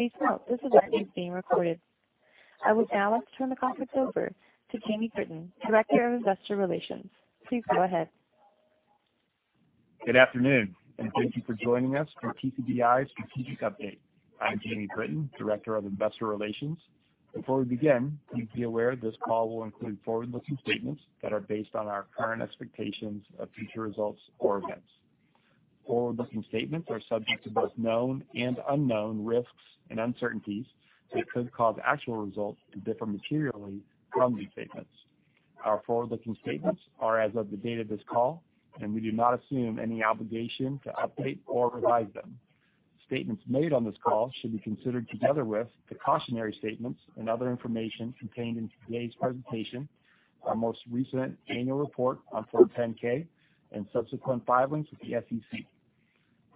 Please note this event is being recorded. I would now like to turn the conference over to Jamie Britton, Director of Investor Relations. Please go ahead. Good afternoon, thank you for joining us for TCBI's strategic update. I'm Jamie Britton, Director of Investor Relations. Before we begin, please be aware this call will include forward-looking statements that are based on our current expectations of future results or events. Forward-looking statements are subject to both known and unknown risks and uncertainties that could cause actual results to differ materially from these statements. Our forward-looking statements are as of the date of this call, and we do not assume any obligation to update or revise them. Statements made on this call should be considered together with the cautionary statements and other information contained in today's presentation, our most recent annual report on Form 10-K, and subsequent filings with the SEC.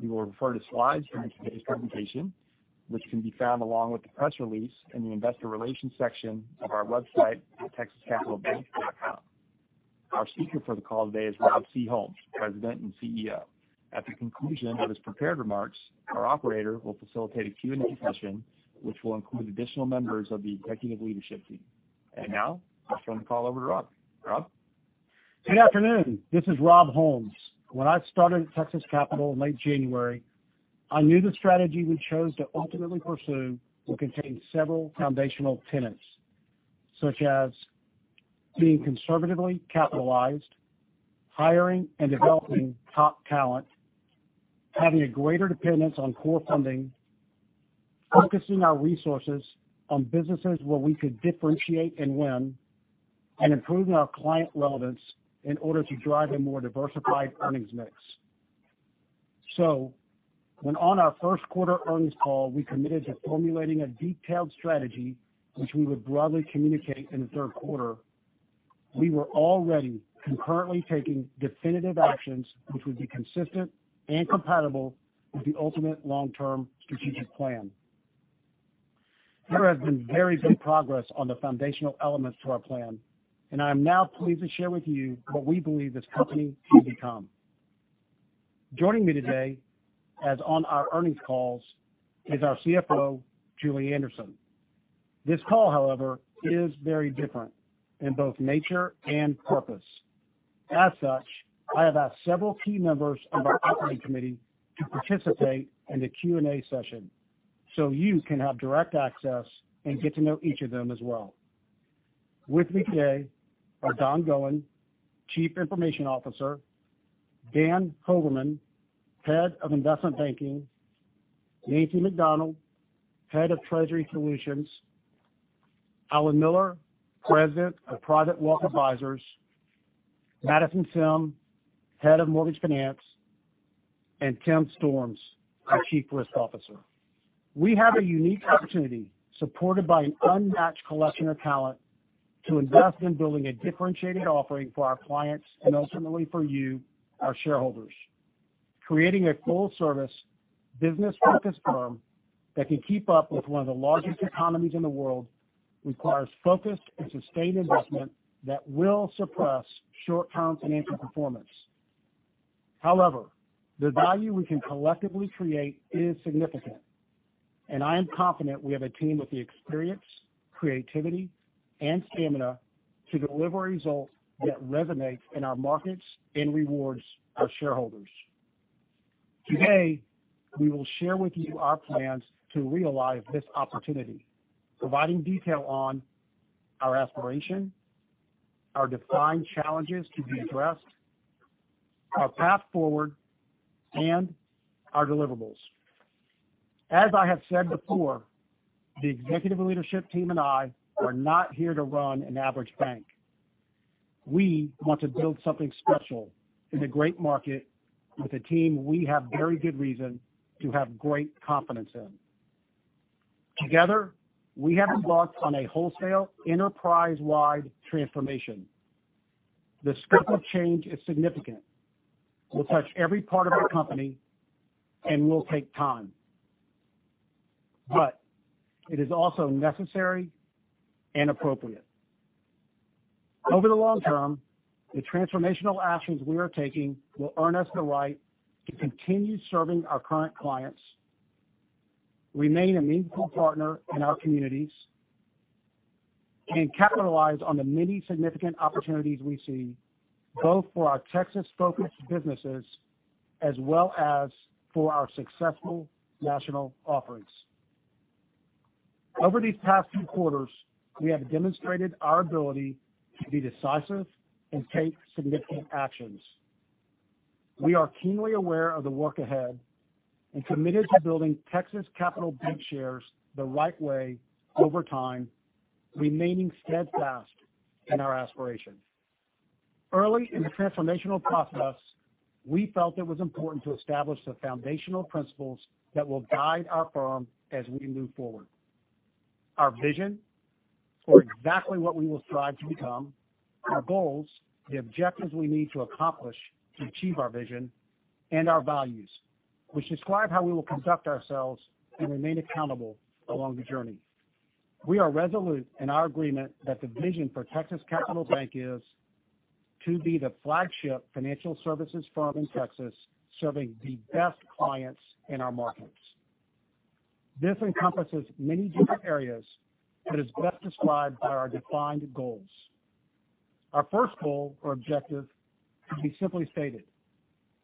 We will refer to slides during today's presentation, which can be found along with the press release in the investor relations section of our website at texascapitalbank.com. Our speaker for the call today is Rob C. Holmes, President and Chief Executive Officer. At the conclusion of his prepared remarks, our operator will facilitate a Q&A session, which will include additional members of the executive leadership team. Now, let's turn the call over to Rob. Rob? Good afternoon. This is Rob Holmes. When I started at Texas Capital in late January, I knew the strategy we chose to ultimately pursue would contain several foundational tenets, such as being conservatively capitalized, hiring and developing top talent, having a greater dependence on core funding, focusing our resources on businesses where we could differentiate and win, and improving our client relevance in order to drive a more diversified earnings mix. When on our first quarter earnings call, we committed to formulating a detailed strategy which we would broadly communicate in the third quarter, we were already concurrently taking definitive actions which would be consistent and compatible with the ultimate long-term strategic plan. There has been very good progress on the foundational elements to our plan, I am now pleased to share with you what we believe this company can become. Joining me today, as on our earnings calls, is our CFO, Julie Anderson. This call, however, is very different in both nature and purpose. I have asked several key members of our operating committee to participate in the Q&A session so you can have direct access and get to know each of them as well. With me today are Don Goin, Chief Information Officer, Dan Hoverman, Head of Investment Banking, Nancy McDonnell, Head of Treasury Solutions, Alan Miller, President of Private Wealth Advisors, Madison Simm, Head of Mortgage Finance, and Tim Storms, our Chief Risk Officer. We have a unique opportunity, supported by an unmatched collection of talent, to invest in building a differentiated offering for our clients and ultimately for you, our shareholders. Creating a full-service business-focused firm that can keep up with one of the largest economies in the world requires focused and sustained investment that will suppress short-term financial performance. However, the value we can collectively create is significant, and I am confident we have a team with the experience, creativity, and stamina to deliver a result that resonates in our markets and rewards our shareholders. Today, we will share with you our plans to realize this opportunity, providing detail on our aspiration, our defined challenges to be addressed, our path forward, and our deliverables. As I have said before, the executive leadership team and I are not here to run an average bank. We want to build something special in a great market with a team we have very good reason to have great confidence in. Together, we have embarked on a wholesale enterprise-wide transformation. The scope of change is significant. We'll touch every part of our company and will take time. It is also necessary and appropriate. Over the long term, the transformational actions we are taking will earn us the right to continue serving our current clients, remain a meaningful partner in our communities, and capitalize on the many significant opportunities we see, both for our Texas-focused businesses as well as for our successful national offerings. Over these past few quarters, we have demonstrated our ability to be decisive and take significant actions. We are keenly aware of the work ahead and committed to building Texas Capital Bancshares the right way over time, remaining steadfast in our aspirations. Early in the transformational process, we felt it was important to establish the foundational principles that will guide our firm as we move forward. Our vision for exactly what we will strive to become, our goals, the objectives we need to accomplish to achieve our vision, and our values, which describe how we will conduct ourselves and remain accountable along the journey. We are resolute in our agreement that the vision for Texas Capital Bank is to be the flagship financial services firm in Texas, serving the best clients in our markets. This encompasses many different areas, but is best described by our defined goals. Our first goal or objective can be simply stated: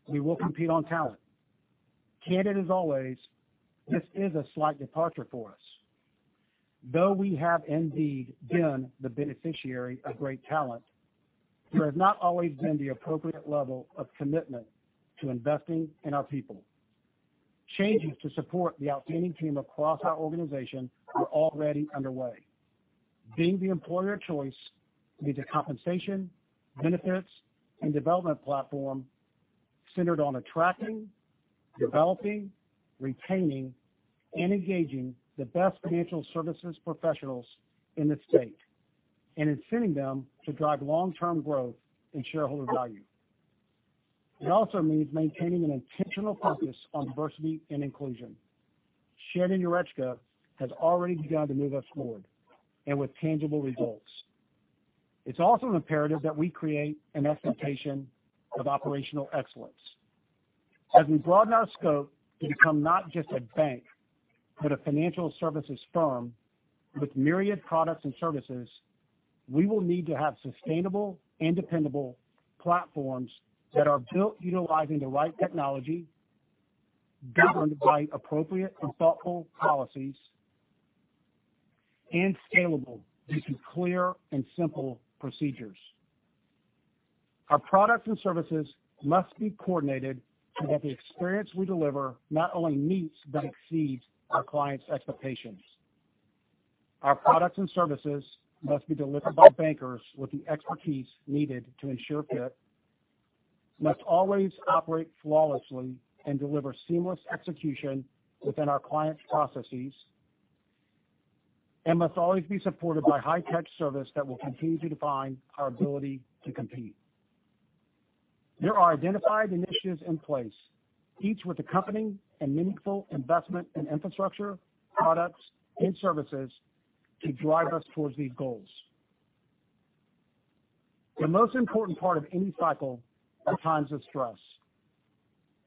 We will compete on talent. Candid as always, this is a slight departure for us. Though we have indeed been the beneficiary of great talent, there has not always been the appropriate level of commitment to investing in our people. Changes to support the outstanding team across our organization are already underway. Being the employer of choice means a compensation, benefits, and development platform centered on attracting, developing, retaining, and engaging the best financial services professionals in the state, and inciting them to drive long-term growth and shareholder value. It also means maintaining an intentional focus on diversity and inclusion. Shannon Jurecka has already begun to move us forward, and with tangible results. It's also imperative that we create an expectation of operational excellence. As we broaden our scope to become not just a bank, but a financial services firm with myriad products and services, we will need to have sustainable and dependable platforms that are built utilizing the right technology, governed by appropriate and thoughtful policies, and scalable due to clear and simple procedures. Our products and services must be coordinated so that the experience we deliver not only meets but exceeds our clients' expectations. Our products and services must be delivered by bankers with the expertise needed to ensure fit, must always operate flawlessly, and deliver seamless execution within our clients' processes, and must always be supported by high-touch service that will continue to define our ability to compete. There are identified initiatives in place, each with accompanying and meaningful investment in infrastructure, products, and services to drive us towards these goals. The most important part of any cycle are times of stress,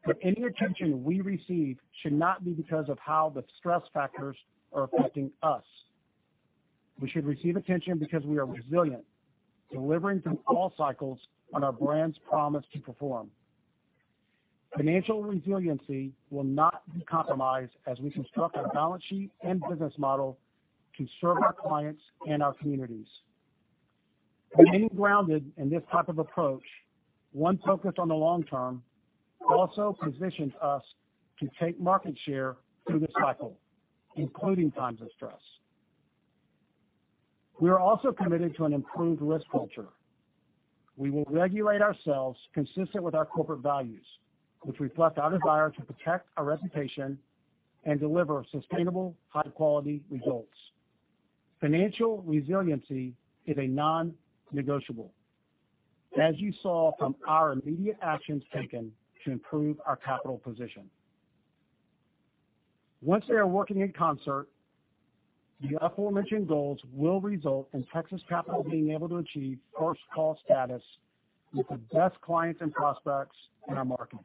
but any attention we receive should not be because of how the stress factors are affecting us. We should receive attention because we are resilient, delivering through all cycles on our brand's promise to perform. Financial resiliency will not be compromised as we construct our balance sheet and business model to serve our clients and our communities. Remaining grounded in this type of approach, one focused on the long term, also positions us to take market share through this cycle, including times of stress. We are also committed to an improved risk culture. We will regulate ourselves consistent with our corporate values, which reflect our desire to protect our reputation and deliver sustainable, high-quality results. Financial resiliency is a non-negotiable, as you saw from our immediate actions taken to improve our capital position. Once they are working in concert, the aforementioned goals will result in Texas Capital being able to achieve first-call status with the best clients and prospects in our markets.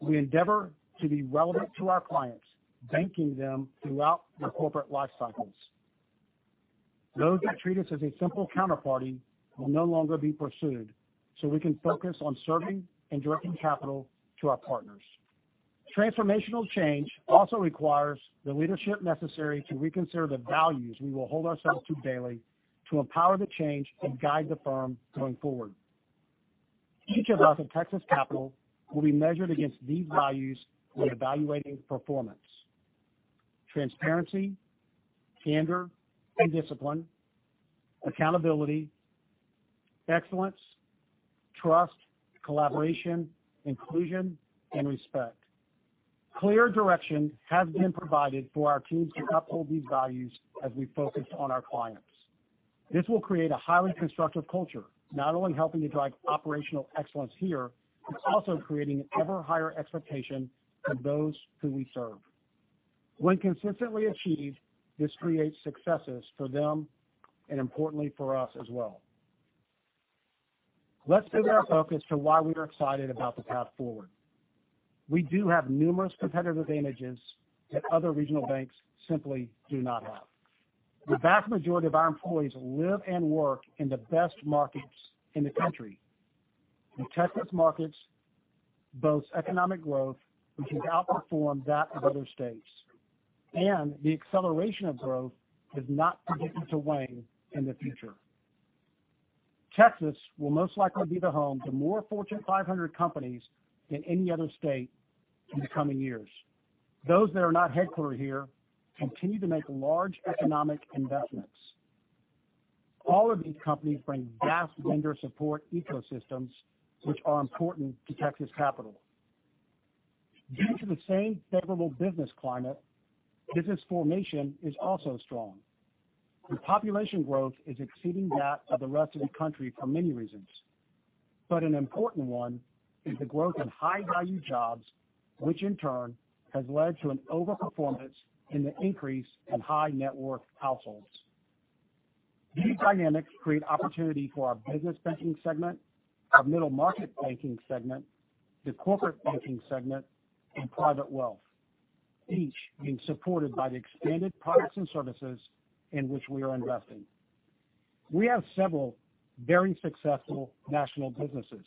We endeavor to be relevant to our clients, banking them throughout their corporate life cycles. Those that treat us as a simple counterparty will no longer be pursued, so we can focus on serving and directing capital to our partners. Transformational change also requires the leadership necessary to reconsider the values we will hold ourselves to daily to empower the change and guide the firm going forward. Each of us at Texas Capital will be measured against these values when evaluating performance: transparency, candor and discipline, accountability, excellence, trust, collaboration, inclusion, and respect. Clear direction has been provided for our teams to uphold these values as we focus on our clients. This will create a highly constructive culture, not only helping to drive operational excellence here, but also creating an ever higher expectation for those who we serve. When consistently achieved, this creates successes for them, and importantly, for us as well. Let's turn our focus to why we are excited about the path forward. We do have numerous competitive advantages that other regional banks simply do not have. The vast majority of our employees live and work in the best markets in the country. The Texas markets boast economic growth which has outperformed that of other states. The acceleration of growth is not predicted to wane in the future. Texas will most likely be the home to more Fortune 500 companies than any other state in the coming years. Those that are not headquartered here continue to make large economic investments. All of these companies bring vast vendor support ecosystems, which are important to Texas Capital. Due to the same favorable business climate, business formation is also strong. Population growth is exceeding that of the rest of the country for many reasons. An important one is the growth in high-value jobs, which in turn has led to an over-performance in the increase in high-net-worth households. These dynamics create opportunity for our Business Banking segment, our Middle Market Banking segment, the Corporate Banking segment, and Private Wealth, each being supported by the expanded products and services in which we are investing. We have several very successful national businesses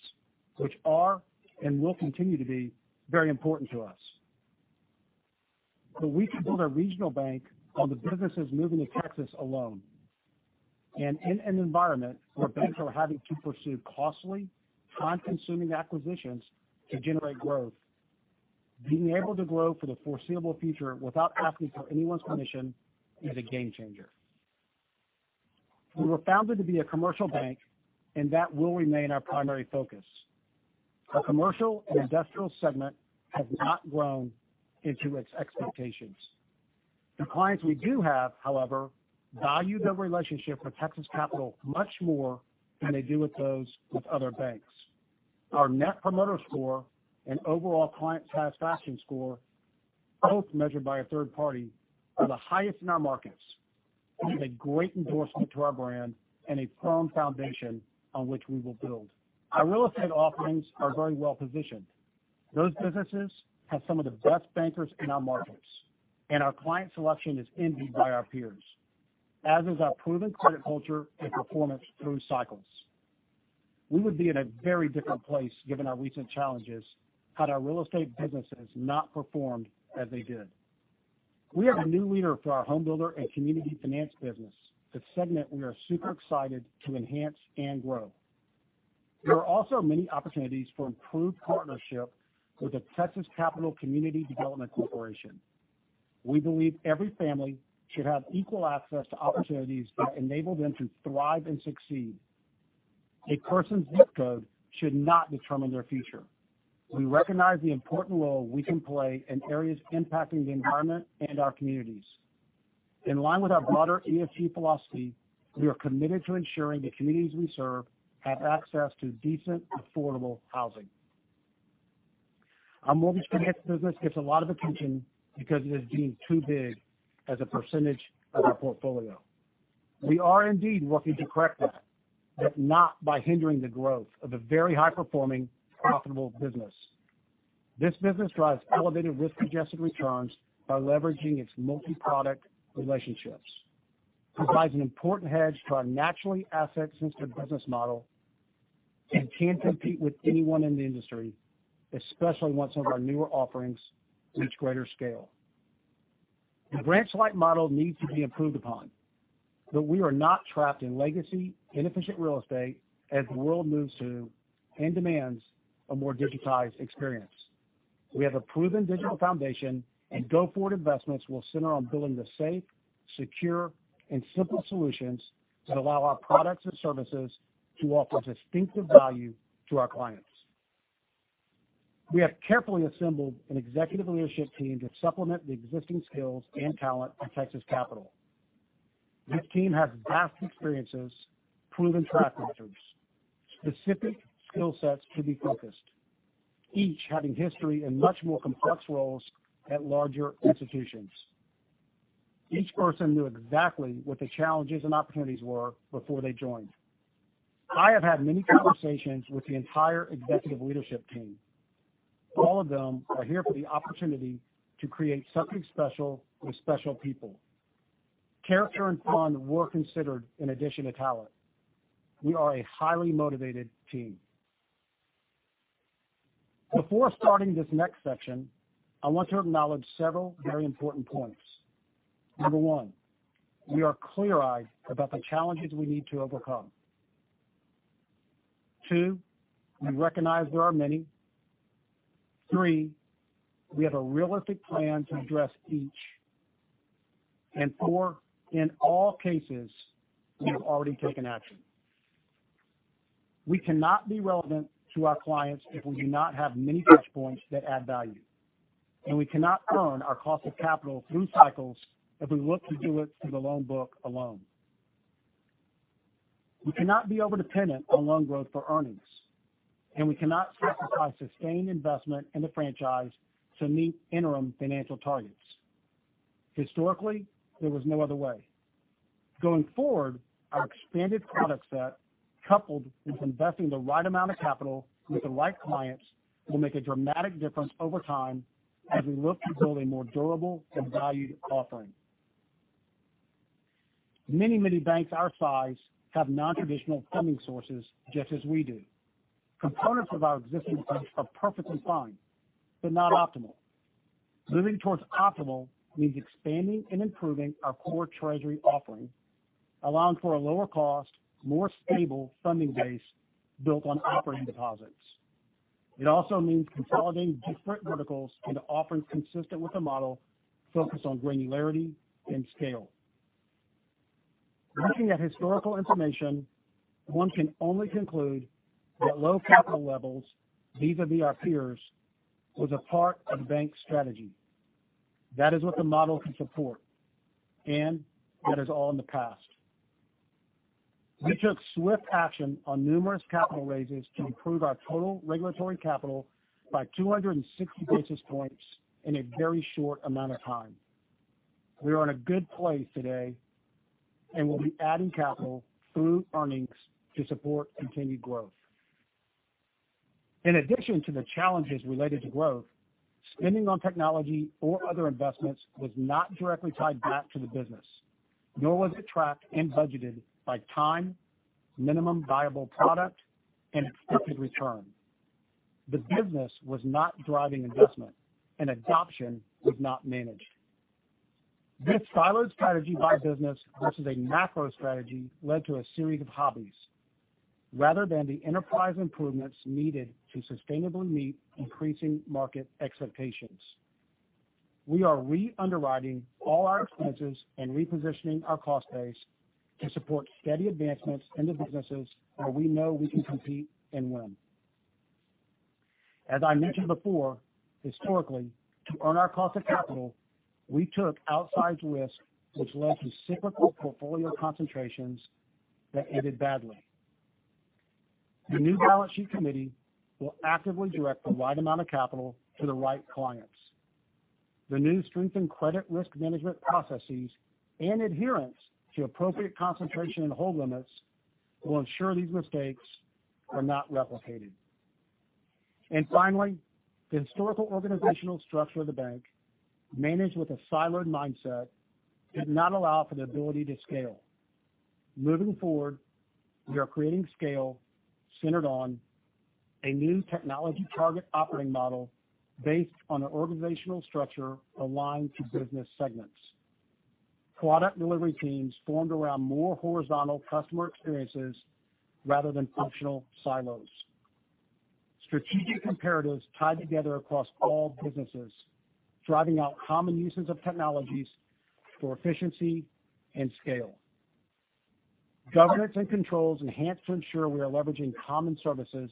which are and will continue to be very important to us. We can build a regional bank on the businesses moving to Texas alone. In an environment where banks are having to pursue costly, time-consuming acquisitions to generate growth, being able to grow for the foreseeable future without asking for anyone's permission is a game changer. We were founded to be a commercial bank, and that will remain our primary focus. Our Commercial and Industrial segment has not grown into its expectations. The clients we do have, however, value their relationship with Texas Capital much more than they do with those with other banks. Our Net Promoter Score and overall client satisfaction score, both measured by a third party, are the highest in our markets, which is a great endorsement to our brand and a firm foundation on which we will build. Our real estate offerings are very well-positioned. Those businesses have some of the best bankers in our markets, and our client selection is envied by our peers, as is our proven credit culture and performance through cycles. We would be in a very different place, given our recent challenges, had our real estate businesses not performed as they did. We have a new leader for our home builder and community finance business, the segment we are super excited to enhance and grow. There are also many opportunities for improved partnership with the Texas Capital Community Development Corporation. We believe every family should have equal access to opportunities that enable them to thrive and succeed. A person's ZIP code should not determine their future. We recognize the important role we can play in areas impacting the environment and our communities. In line with our broader ESG philosophy, we are committed to ensuring the communities we serve have access to decent, affordable housing. Our mortgage finance business gets a lot of attention because it has deemed too big as a percentage of our portfolio. We are indeed working to correct this, but not by hindering the growth of a very high-performing, profitable business. This business drives elevated risk-adjusted returns by leveraging its multi-product relationships, provides an important hedge to our naturally asset-sensitive business model, and can compete with anyone in the industry, especially once some of our newer offerings reach greater scale. The branch-light model needs to be improved upon, but we are not trapped in legacy, inefficient real estate as the world moves to and demands a more digitized experience. We have a proven digital foundation and go-forward investments will center on building the safe, secure, and simple solutions that allow our products and services to offer distinctive value to our clients. We have carefully assembled an executive leadership team to supplement the existing skills and talent at Texas Capital. This team has vast experiences, proven track records, specific skill sets to be focused, each having history in much more complex roles at larger institutions. Each person knew exactly what the challenges and opportunities were before they joined. I have had many conversations with the entire executive leadership team. All of them are here for the opportunity to create something special with special people. Character and fun were considered in addition to talent. We are a highly motivated team. Before starting this next section, I want to acknowledge several very important points. Number one, we are clear-eyed about the challenges we need to overcome. Two, we recognize there are many. Three, we have a realistic plan to address each. Four, in all cases, we have already taken action. We cannot be relevant to our clients if we do not have many touch points that add value. We cannot earn our cost of capital through cycles if we look to do it through the loan book alone. We cannot be over-dependent on loan growth for earnings, and we cannot sacrifice sustained investment in the franchise to meet interim financial targets. Historically, there was no other way. Going forward, our expanded product set, coupled with investing the right amount of capital with the right clients, will make a dramatic difference over time as we look to build a more durable and valued offering. Many mini-banks our size have non-traditional funding sources, just as we do. Components of our existing banks are perfectly fine, but not optimal. Moving towards optimal means expanding and improving our core treasury offering, allowing for a lower cost, more stable funding base built on operating deposits. It also means consolidating different verticals into offerings consistent with the model focused on granularity and scale. Looking at historical information, one can only conclude that low capital levels, vis-a-vis our peers, was a part of bank strategy. That is what the model can support, and that is all in the past. We took swift action on numerous capital raises to improve our total regulatory capital by 260 basis points in a very short amount of time. We are in a good place today, and we'll be adding capital through earnings to support continued growth. In addition to the challenges related to growth, spending on technology or other investments was not directly tied back to the business, nor was it tracked and budgeted by time, minimum viable product, and expected return. The business was not driving investment, and adoption was not managed. This siloed strategy by business versus a macro strategy led to a series of hobbies rather than the enterprise improvements needed to sustainably meet increasing market expectations. We are re-underwriting all our expenses and repositioning our cost base to support steady advancements in the businesses where we know we can compete and win. As I mentioned before, historically, to earn our cost of capital, we took outsized risks, which led to cyclical portfolio concentrations that ended badly. The new balance sheet committee will actively direct the right amount of capital to the right clients. The new strengthened credit risk management processes and adherence to appropriate concentration and hold limits will ensure these mistakes are not replicated. Finally, the historical organizational structure of the bank, managed with a siloed mindset, did not allow for the ability to scale. Moving forward, we are creating scale centered on a new technology target operating model based on an organizational structure aligned to business segments. Product delivery teams formed around more horizontal customer experiences rather than functional silos. Strategic imperatives tied together across all businesses, driving out common uses of technologies for efficiency and scale. Governance and controls enhanced to ensure we are leveraging common services,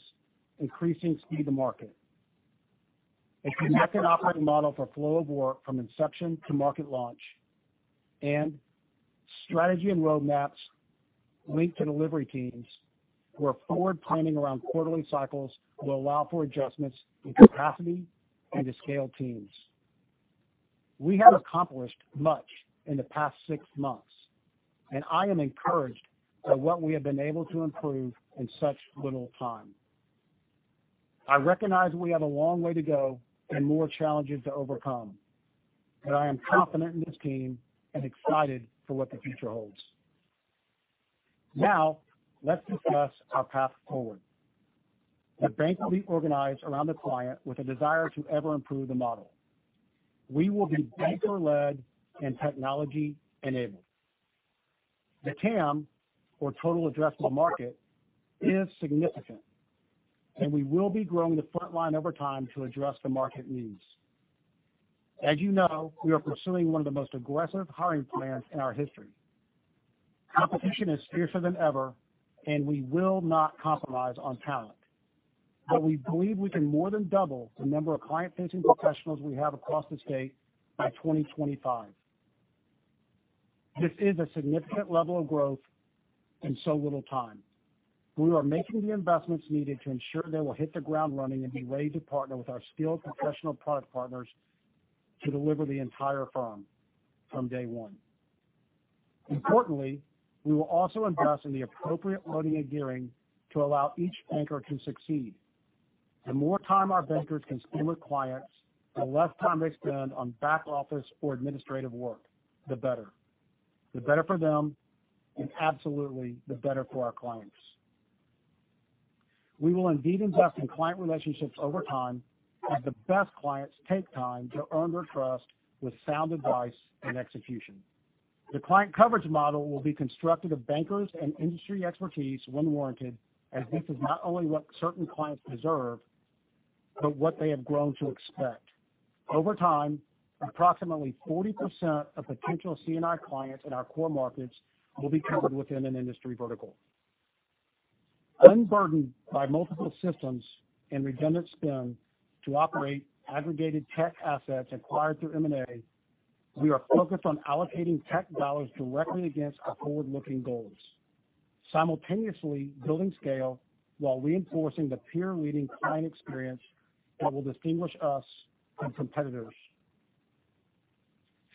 increasing speed to market. A connected operating model for flow of work from inception to market launch, and strategy and roadmaps linked to delivery teams who are forward planning around quarterly cycles will allow for adjustments in capacity and to scale teams. We have accomplished much in the past six months, and I am encouraged by what we have been able to improve in such little time. I recognize we have a long way to go and more challenges to overcome, but I am confident in this team and excited for what the future holds. Now, let's discuss our path forward. The bank will be organized around the client with a desire to ever improve the model. We will be banker-led and technology-enabled. The TAM, or total addressable market, is significant, and we will be growing the frontline over time to address the market needs. As you know, we are pursuing one of the most aggressive hiring plans in our history. Competition is fiercer than ever, and we will not compromise on talent. We believe we can more than double the number of client-facing professionals we have across the state by 2025. This is a significant level of growth in so little time. We are making the investments needed to ensure they will hit the ground running and be ready to partner with our skilled professional product partners to deliver the entire firm from day one. Importantly, we will also invest in the appropriate loading and gearing to allow each banker to succeed. The more time our bankers can spend with clients, the less time they spend on back office or administrative work, the better. The better for them, absolutely the better for our clients. We will indeed invest in client relationships over time, as the best clients take time to earn their trust with sound advice and execution. The client coverage model will be constructed of bankers and industry expertise when warranted, as this is not only what certain clients deserve, but what they have grown to expect. Over time, approximately 40% of potential C&I clients in our core markets will be covered within an industry vertical. Unburdened by multiple systems and redundant spend to operate aggregated tech assets acquired through M&A, we are focused on allocating tech dollars directly against our forward-looking goals. Simultaneously building scale while reinforcing the peer-leading client experience that will distinguish us from competitors.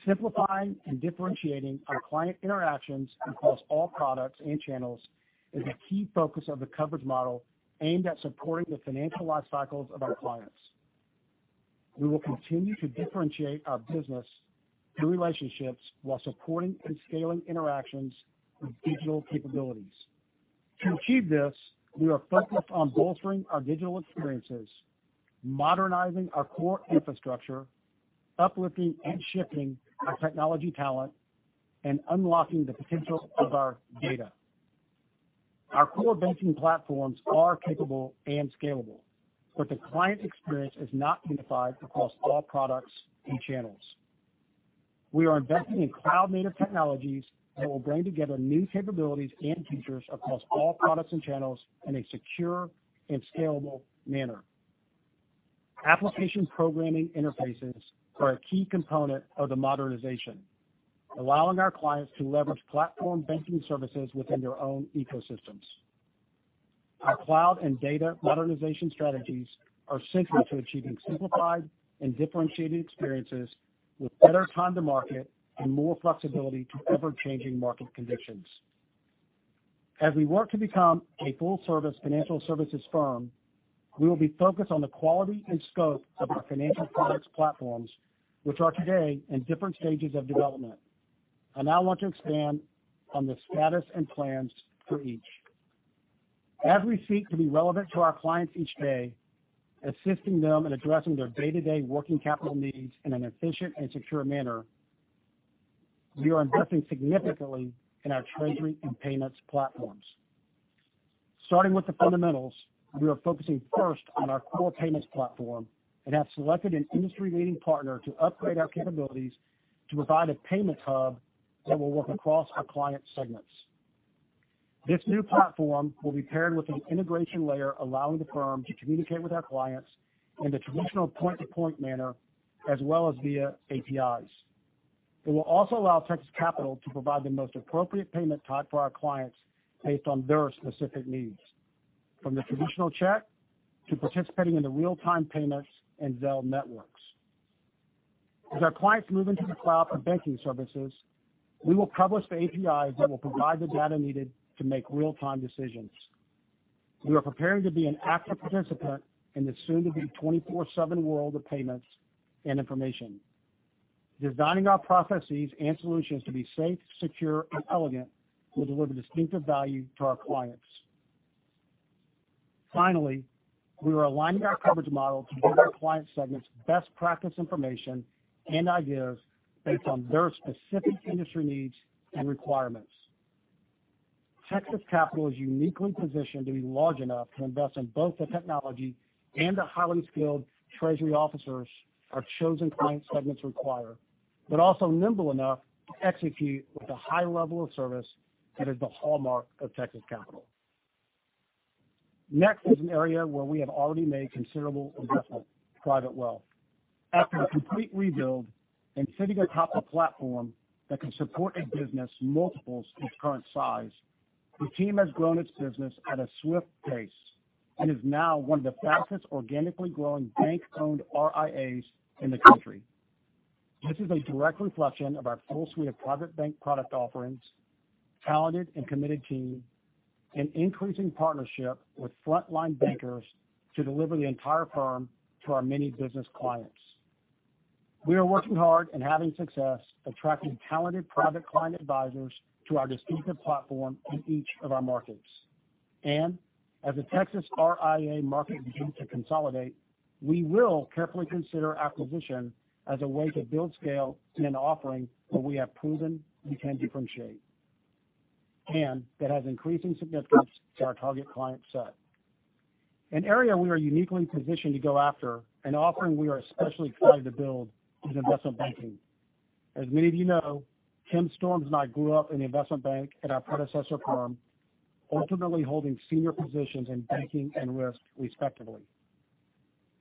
Simplifying and differentiating our client interactions across all products and channels is a key focus of the coverage model aimed at supporting the financial lifecycles of our clients. We will continue to differentiate our business through relationships while supporting and scaling interactions with digital capabilities. To achieve this, we are focused on bolstering our digital experiences, modernizing our core infrastructure, uplifting and shifting our technology talent, and unlocking the potential of our data. Our core banking platforms are capable and scalable, but the client experience is not unified across all products and channels. We are investing in cloud-native technologies that will bring together new capabilities and features across all products and channels in a secure and scalable manner. Application Programming Interfaces are a key component of the modernization, allowing our clients to leverage platform banking services within their own ecosystems. Our cloud and data modernization strategies are central to achieving simplified and differentiated experiences with better time to market and more flexibility to ever-changing market conditions. As we work to become a full-service financial services firm, we will be focused on the quality and scope of our financial products platforms, which are today in different stages of development. I now want to expand on the status and plans for each. As we seek to be relevant to our clients each day, assisting them in addressing their day-to-day working capital needs in an efficient and secure manner, we are investing significantly in our treasury and payments platforms. Starting with the fundamentals, we are focusing first on our core payments platform and have selected an industry-leading partner to upgrade our capabilities to provide a payment hub that will work across our client segments. This new platform will be paired with an integration layer, allowing the firm to communicate with our clients in the traditional point-to-point manner, as well as via APIs. It will also allow Texas Capital to provide the most appropriate payment type for our clients based on their specific needs, from the traditional check to participating in the Real-Time Payments and Zelle networks. As our clients move into the cloud for banking services, we will publish the APIs that will provide the data needed to make real-time decisions. We are preparing to be an active participant in the soon-to-be 24/7 world of payments and information. Designing our processes and solutions to be safe, secure, and elegant will deliver distinctive value to our clients. Finally, we are aligning our coverage model to give our client segments best practice information and ideas based on their specific industry needs and requirements. Texas Capital is uniquely positioned to be large enough to invest in both the technology and the highly skilled treasury officers our chosen client segments require, but also nimble enough to execute with the high level of service that is the hallmark of Texas Capital. Next is an area where we have already made considerable investment, Private Wealth. After a complete rebuild and sitting atop a platform that can support a business multiples its current size, the team has grown its business at a swift pace and is now one of the fastest organically growing bank-owned RIAs in the country. This is a direct reflection of our full suite of private bank product offerings, talented and committed team, and increasing partnership with frontline bankers to deliver the entire firm to our many business clients. We are working hard and having success attracting talented private client advisors to our distinctive platform in each of our markets. As the Texas RIA market begins to consolidate, we will carefully consider acquisition as a way to build scale in an offering that we have proven we can differentiate and that has increasing significance to our target client set. An area we are uniquely positioned to go after, an offering we are especially excited to build is investment banking. As many of you know, Tim Storms and I grew up in the investment bank at our predecessor firm, ultimately holding senior positions in banking and risk respectively.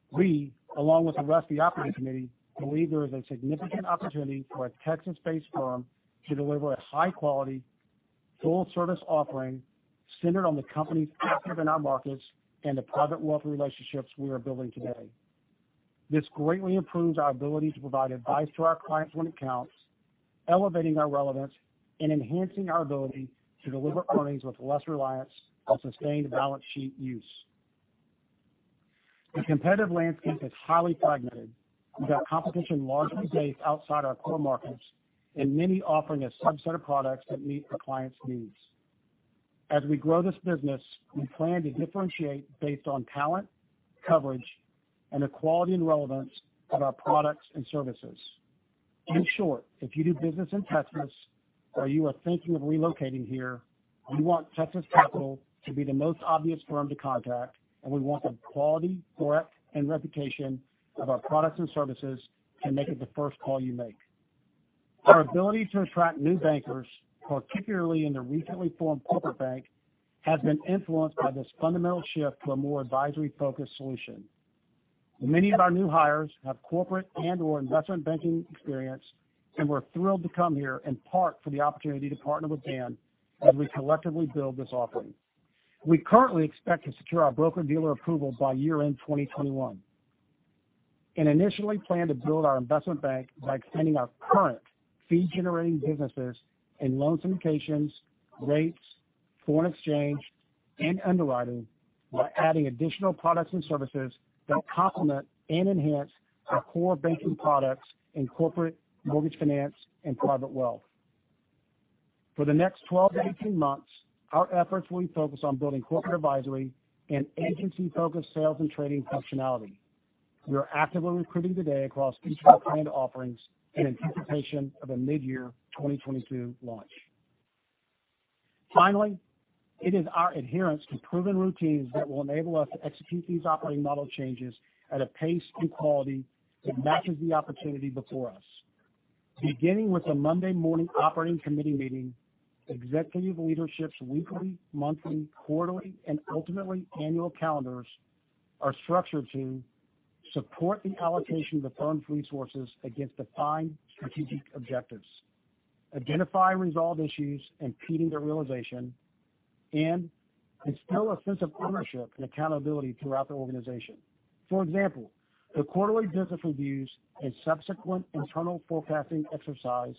We, along with the rest of the operating committee, believe there is a significant opportunity for a Texas-based firm to deliver a high-quality, full-service offering centered on the companies active in our markets and the private wealth relationships we are building today. This greatly improves our ability to provide advice to our clients when it counts, elevating our relevance and enhancing our ability to deliver earnings with less reliance on sustained balance sheet use. The competitive landscape is highly fragmented, with our competition largely based outside our core markets and many offering a subset of products that meet the client's needs. As we grow this business, we plan to differentiate based on talent, coverage, and the quality and relevance of our products and services. In short, if you do business in Texas or you are thinking of relocating here, we want Texas Capital to be the most obvious firm to contact, and we want the quality, breadth, and reputation of our products and services to make it the first call you make. Our ability to attract new bankers, particularly in the recently formed corporate bank, has been influenced by this fundamental shift to a more advisory-focused solution. Many of our new hires have corporate and/or investment banking experience, and were thrilled to come here in part for the opportunity to partner with Dan as we collectively build this offering. We currently expect to secure our broker-dealer approval by year-end 2021, and initially plan to build our investment bank by extending our current fee-generating businesses in loan syndications, rates, foreign exchange, and underwriting by adding additional products and services that complement and enhance our core banking products in corporate mortgage finance and private wealth. For the next 12-18 months, our efforts will be focused on building corporate advisory and agency-focused sales and trading functionality. We are actively recruiting today across each of the planned offerings in anticipation of a mid-year 2022 launch. Finally, it is our adherence to proven routines that will enable us to execute these operating model changes at a pace and quality that matches the opportunity before us. Beginning with the Monday morning operating committee meeting, executive leadership's weekly, monthly, quarterly, and ultimately annual calendars are structured to support the allocation of the firm's resources against defined strategic objectives, identify and resolve issues impeding their realization, and instill a sense of ownership and accountability throughout the organization. For example, the quarterly business reviews and subsequent internal forecasting exercise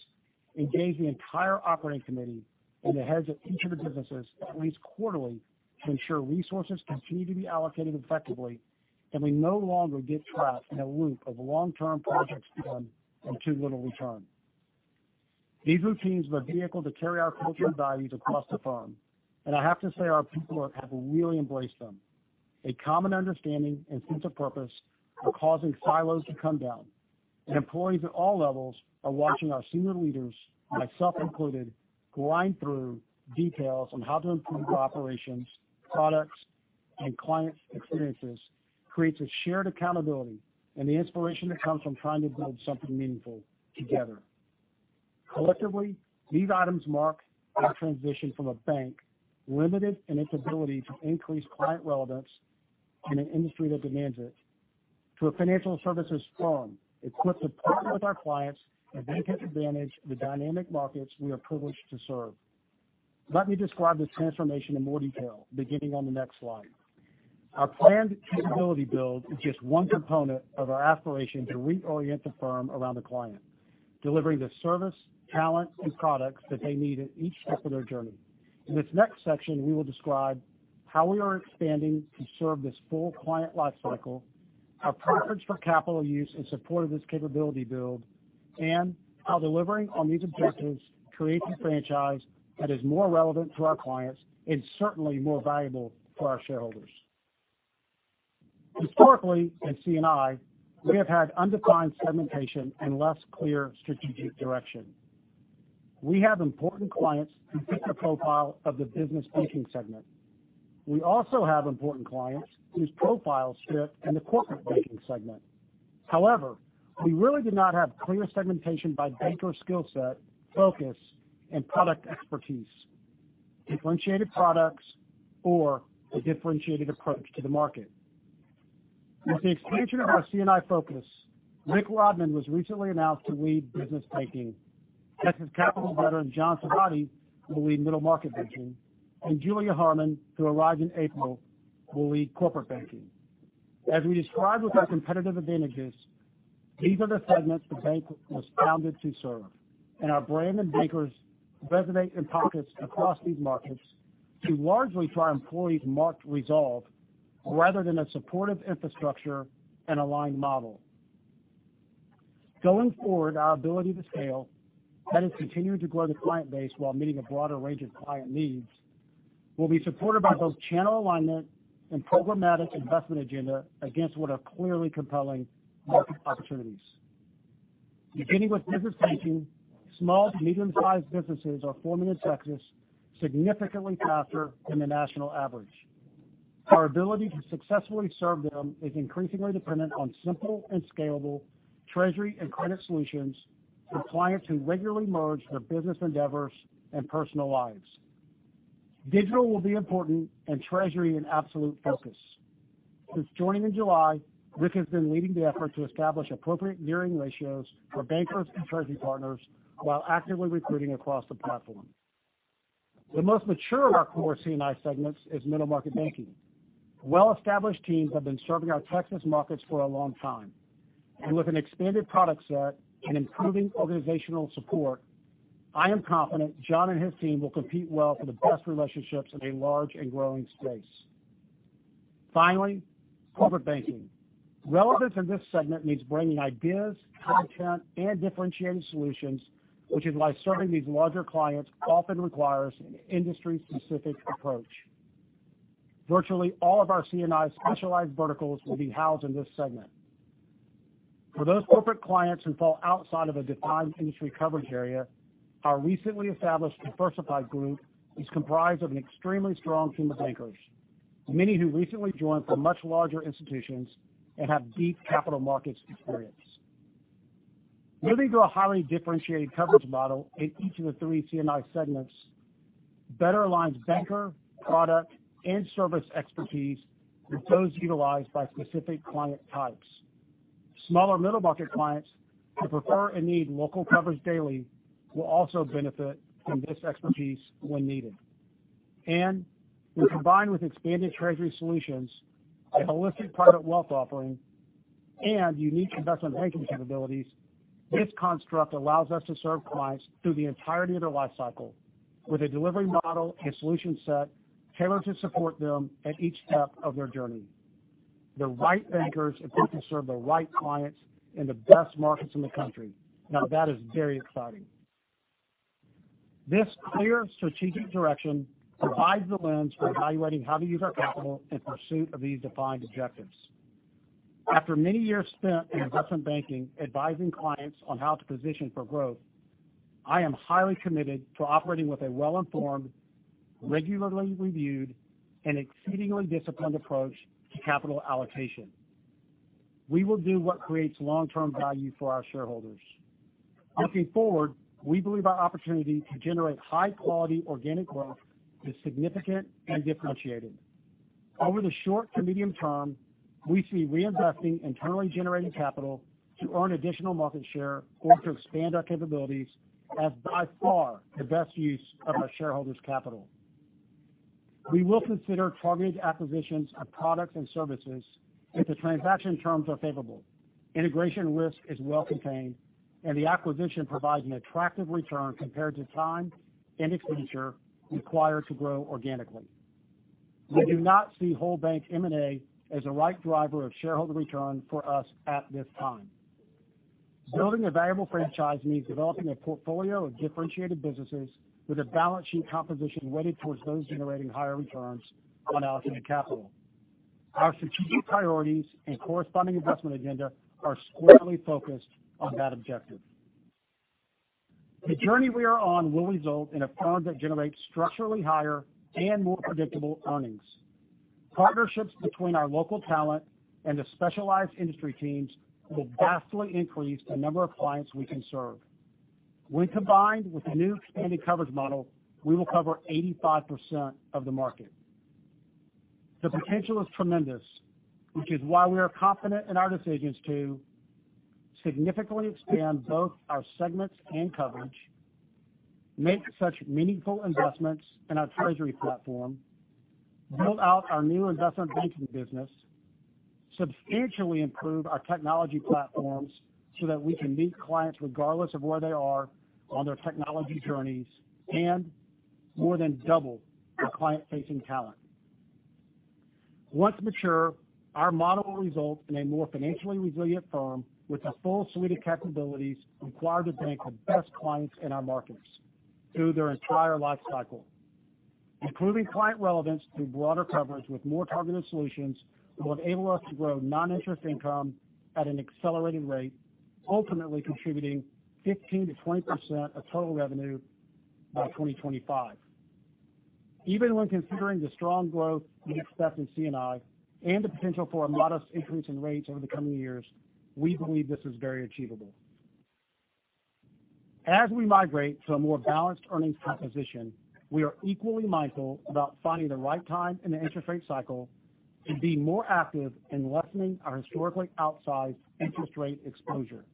engage the entire operating committee and the heads of each of the businesses at least quarterly to ensure resources continue to be allocated effectively, and we no longer get trapped in a loop of long-term projects done and too little return. These routines are a vehicle to carry our cultural values across the firm. I have to say our people have really embraced them. A common understanding and sense of purpose are causing silos to come down, and employees at all levels are watching our senior leaders, myself included, grind through details on how to improve operations, products, and client experiences creates a shared accountability and the inspiration that comes from trying to build something meaningful together. Collectively, these items mark our transition from a bank limited in its ability to increase client relevance in an industry that demands it, to a financial services firm equipped to partner with our clients and take advantage of the dynamic markets we are privileged to serve. Let me describe this transformation in more detail, beginning on the next slide. Our planned capability build is just one component of our aspiration to reorient the firm around the client, delivering the service, talent, and products that they need at each step of their journey. In this next section, we will describe how we are expanding to serve this full client lifecycle, our preference for capital use in support of this capability build, and how delivering on these objectives creates a franchise that is more relevant to our clients and certainly more valuable for our shareholders. Historically, at C&I, we have had undefined segmentation and less clear strategic direction. We have important clients who fit the profile of the business banking segment. We also have important clients whose profiles fit in the corporate banking segment. However, we really did not have clear segmentation by banker skill set, focus, and product expertise, differentiated products, or a differentiated approach to the market. With the expansion of our C&I focus, Rick Rodman was recently announced to lead business banking. Texas Capital veteran John Sarvadi will lead middle market banking, and Julia Harman, who arrived in April, will lead corporate banking. As we described with our competitive advantages, these are the segments the bank was founded to serve, and our brand and bankers resonate in pockets across these markets largely through our employees' marked resolve rather than a supportive infrastructure and aligned model. Going forward, our ability to scale, that is continuing to grow the client base while meeting a broader range of client needs, will be supported by both channel alignment and programmatic investment agenda against what are clearly compelling market opportunities. Beginning with business banking, small to medium-sized businesses are forming in Texas significantly faster than the national average. Our ability to successfully serve them is increasingly dependent on simple and scalable treasury and credit solutions for clients who regularly merge their business endeavors and personal lives. Digital will be important and treasury an absolute focus. Since joining in July, Rick has been leading the effort to establish appropriate gearing ratios for bankers and treasury partners while actively recruiting across the platform. The most mature of our core C&I segments is Middle Market Banking. Well-established teams have been serving our Texas markets for a long time. With an expanded product set and improving organizational support, I am confident John and his team will compete well for the best relationships in a large and growing space. Finally, Corporate Banking. Relevance in this segment means bringing ideas, content, and differentiated solutions, which is why serving these larger clients often requires an industry-specific approach. Virtually all of our C&I specialized verticals will be housed in this segment. For those corporate clients who fall outside of a defined industry coverage area, our recently established diversified group is comprised of an extremely strong team of bankers, many who recently joined from much larger institutions and have deep capital markets experience. Moving to a highly differentiated coverage model in each of the three C&I segments better aligns banker, product, and service expertise with those utilized by specific client types. Smaller middle market clients who prefer and need local coverage daily will also benefit from this expertise when needed. When combined with expanded Treasury Solutions, a holistic Private Wealth offering, and unique investment banking capabilities, this construct allows us to serve clients through the entirety of their lifecycle with a delivery model and solution set tailored to support them at each step of their journey. The right bankers equipped to serve the right clients in the best markets in the country. That is very exciting. This clear strategic direction provides the lens for evaluating how to use our capital in pursuit of these defined objectives. After many years spent in investment banking advising clients on how to position for growth, I am highly committed to operating with a well-informed, regularly reviewed, and exceedingly disciplined approach to capital allocation. We will do what creates long-term value for our shareholders. Looking forward, we believe our opportunity to generate high-quality organic growth is significant and differentiated. Over the short to medium term, we see reinvesting internally generated capital to earn additional market share or to expand our capabilities as by far the best use of our shareholders' capital. We will consider targeted acquisitions of products and services if the transaction terms are favorable, integration risk is well contained, and the acquisition provides an attractive return compared to time and expenditure required to grow organically. We do not see whole bank M&A as the right driver of shareholder return for us at this time. Building a valuable franchise means developing a portfolio of differentiated businesses with a balance sheet composition weighted towards those generating higher returns on allocated capital. Our strategic priorities and corresponding investment agenda are squarely focused on that objective. The journey we are on will result in a firm that generates structurally higher and more predictable earnings. Partnerships between our local talent and the specialized industry teams will vastly increase the number of clients we can serve. When combined with the new expanded coverage model, we will cover 85% of the market. The potential is tremendous, which is why we are confident in our decisions to significantly expand both our segments and coverage, make such meaningful investments in our treasury platform, build out our new investment banking business, substantially improve our technology platforms so that we can meet clients regardless of where they are on their technology journeys, and more than double our client-facing talent. Once mature, our model will result in a more financially resilient firm with a full suite of capabilities required to bank the best clients in our markets through their entire life cycle. Improving client relevance through broader coverage with more targeted solutions will enable us to grow non-interest income at an accelerating rate, ultimately contributing 15%-20% of total revenue by 2025. Even when considering the strong growth we expect in C&I and the potential for a modest increase in rates over the coming years, we believe this is very achievable. As we migrate to a more balanced earnings composition, we are equally mindful about finding the right time in the interest rate cycle to be more active in lessening our historically outsized interest rate exposure.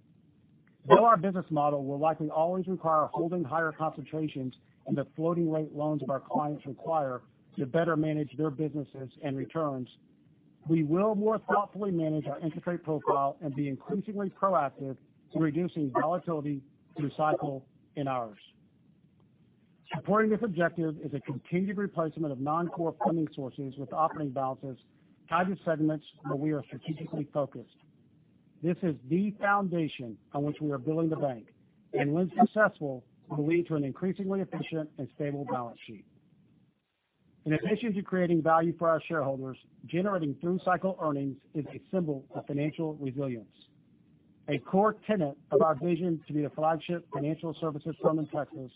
While our business model will likely always require holding higher concentrations in the floating rate loans that our clients require to better manage their businesses and returns, we will more thoughtfully manage our interest rate profile and be increasingly proactive in reducing volatility through the cycle and ours. Supporting this objective is a continued replacement of non-core funding sources with operating balances tied to segments where we are strategically focused. This is the foundation on which we are building the bank, and when successful, will lead to an increasingly efficient and stable balance sheet. In addition to creating value for our shareholders, generating through-cycle earnings is a symbol of financial resilience, a core tenet of our vision to be the flagship financial services firm in Texas.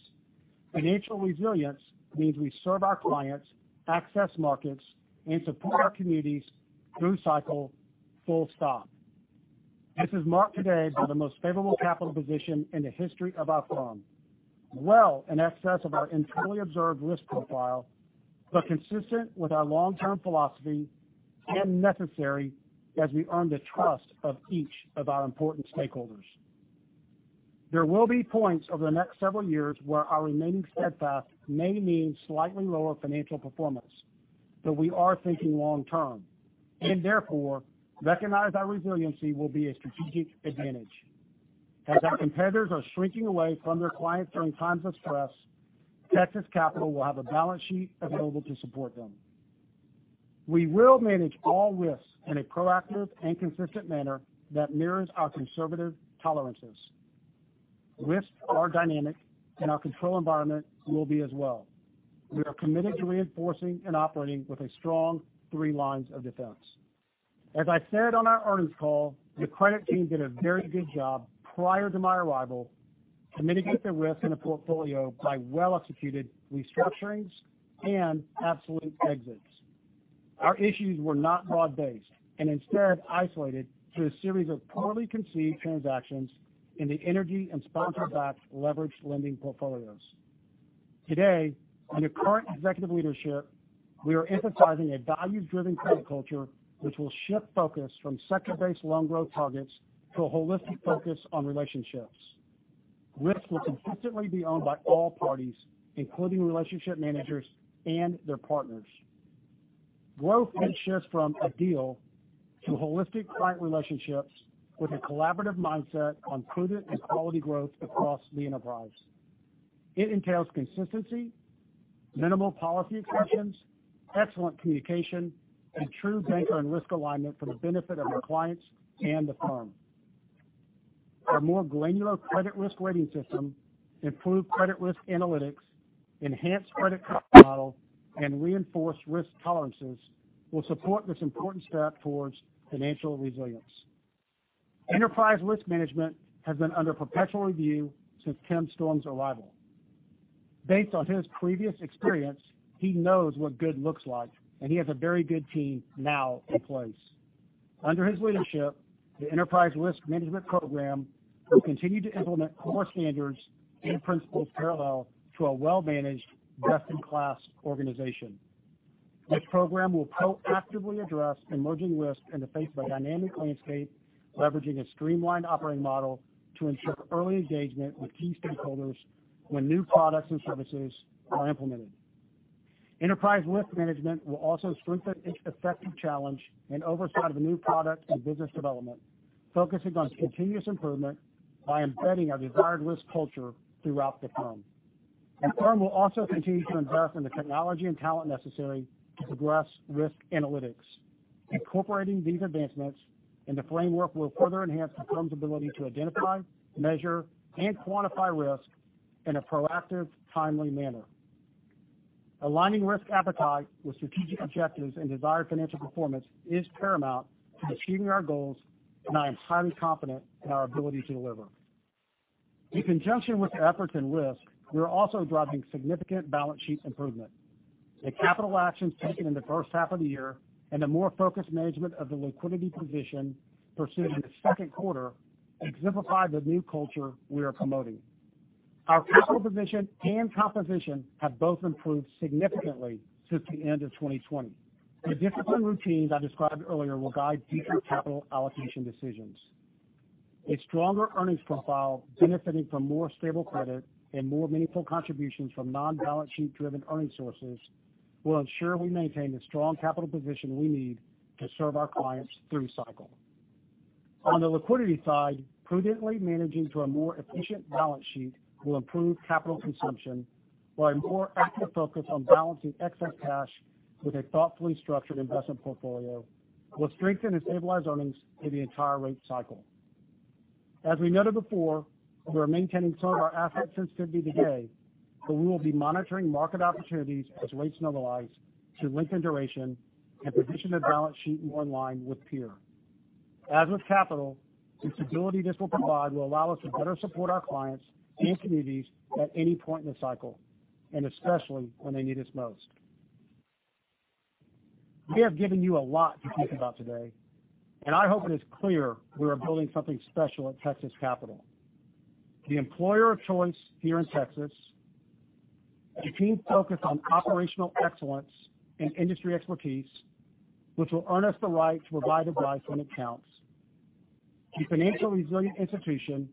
Financial resilience means we serve our clients, access markets, and support our communities through cycle, full stop. This is marked today by the most favorable capital position in the history of our firm, well in excess of our internally observed risk profile, but consistent with our long-term philosophy and necessary as we earn the trust of each of our important stakeholders. There will be points over the next several years where our remaining steadfast may mean slightly lower financial performance, but we are thinking long term and therefore recognize our resiliency will be a strategic advantage. As our competitors are shrinking away from their clients during times of stress, Texas Capital will have a balance sheet available to support them. We will manage all risks in a proactive and consistent manner that mirrors our conservative tolerances. Risks are dynamic, and our control environment will be as well. We are committed to reinforcing and operating with a strong three lines of defense. As I said on our earnings call, the credit team did a very good job prior to my arrival to mitigate the risk in the portfolio by well-executed restructurings and absolute exits. Our issues were not broad-based, and instead isolated through a series of poorly conceived transactions in the energy and sponsor-backed leveraged lending portfolios. Today, under current executive leadership, we are emphasizing a value-driven credit culture which will shift focus from sector-based loan growth targets to a holistic focus on relationships. Risk will consistently be owned by all parties, including relationship managers and their partners. Growth then shifts from a deal to holistic client relationships with a collaborative mindset on prudent and quality growth across the enterprise. It entails consistency, minimal policy exceptions, excellent communication, and true banker and risk alignment for the benefit of our clients and the firm. Our more granular credit risk rating system, improved credit risk analytics, enhanced credit cost model, and reinforced risk tolerances will support this important step towards financial resilience. Enterprise risk management has been under perpetual review since Tim Storms' arrival. Based on his previous experience, he knows what good looks like, and he has a very good team now in place. Under his leadership, the enterprise risk management program will continue to implement core standards and principles parallel to a well-managed best-in-class organization. This program will proactively address emerging risks in the face of a dynamic landscape, leveraging a streamlined operating model to ensure early engagement with key stakeholders when new products and services are implemented. Enterprise risk management will also strengthen its effective challenge and oversight of new product and business development, focusing on continuous improvement by embedding a desired risk culture throughout the firm. The firm will also continue to invest in the technology and talent necessary to progress risk analytics. Incorporating these advancements in the framework will further enhance the firm's ability to identify, measure, and quantify risk in a proactive, timely manner. Aligning risk appetite with strategic objectives and desired financial performance is paramount to achieving our goals, and I am highly confident in our ability to deliver. In conjunction with the efforts in risk, we are also driving significant balance sheet improvement. The capital actions taken in the first half of the year and the more focused management of the liquidity position pursued in the second quarter exemplify the new culture we are promoting. Our capital position and composition have both improved significantly since the end of 2020. The disciplined routines I described earlier will guide future capital allocation decisions. A stronger earnings profile benefiting from more stable credit and more meaningful contributions from non-balance sheet-driven earnings sources will ensure we maintain the strong capital position we need to serve our clients through the cycle. On the liquidity side, prudently managing to a more efficient balance sheet will improve capital consumption, while a more active focus on balancing excess cash with a thoughtfully structured investment portfolio will strengthen and stabilize earnings through the entire rate cycle. As we noted before, we are maintaining some of our assets as could be today, but we will be monitoring market opportunities as rates normalize to lengthen duration and position the balance sheet more in line with peers. As with capital, the stability this will provide will allow us to better support our clients and communities at any point in the cycle, and especially when they need us most. We have given you a lot to think about today, and I hope it is clear we are building something special at Texas Capital. The employer of choice here in Texas. A team focused on operational excellence and industry expertise, which will earn us the right to provide advice when it counts. A financially resilient institution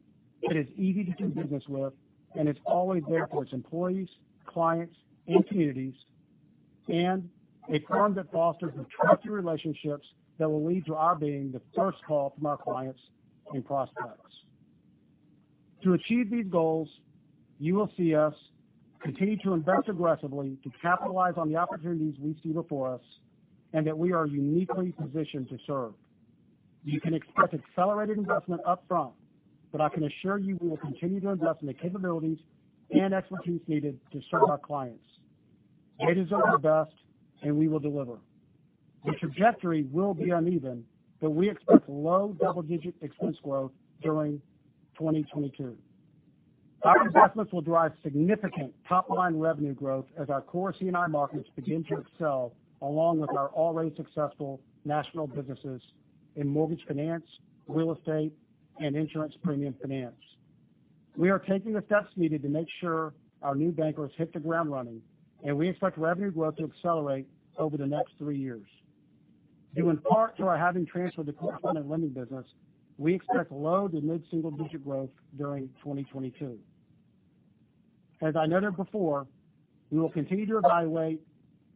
that is easy to do business with and is always there for its employees, clients, and communities, and a firm that fosters trustworthy relationships that will lead to our being the first call from our clients and prospects. To achieve these goals, you will see us continue to invest aggressively to capitalize on the opportunities we see before us and that we are uniquely positioned to serve. You can expect accelerated investment upfront, but I can assure you we will continue to invest in the capabilities and expertise needed to serve our clients. They deserve the best, and we will deliver. The trajectory will be uneven, but we expect low double-digit expense growth during 2022. Our investments will drive significant top-line revenue growth as our core C&I markets begin to excel along with our already successful national businesses in mortgage finance, real estate, and insurance premium finance. We are taking the steps needed to make sure our new bankers hit the ground running, and we expect revenue growth to accelerate over the next three years. Due in part to our having transferred the correspondent lending business, we expect low to mid-single digit growth during 2022. As I noted before, we will continue to evaluate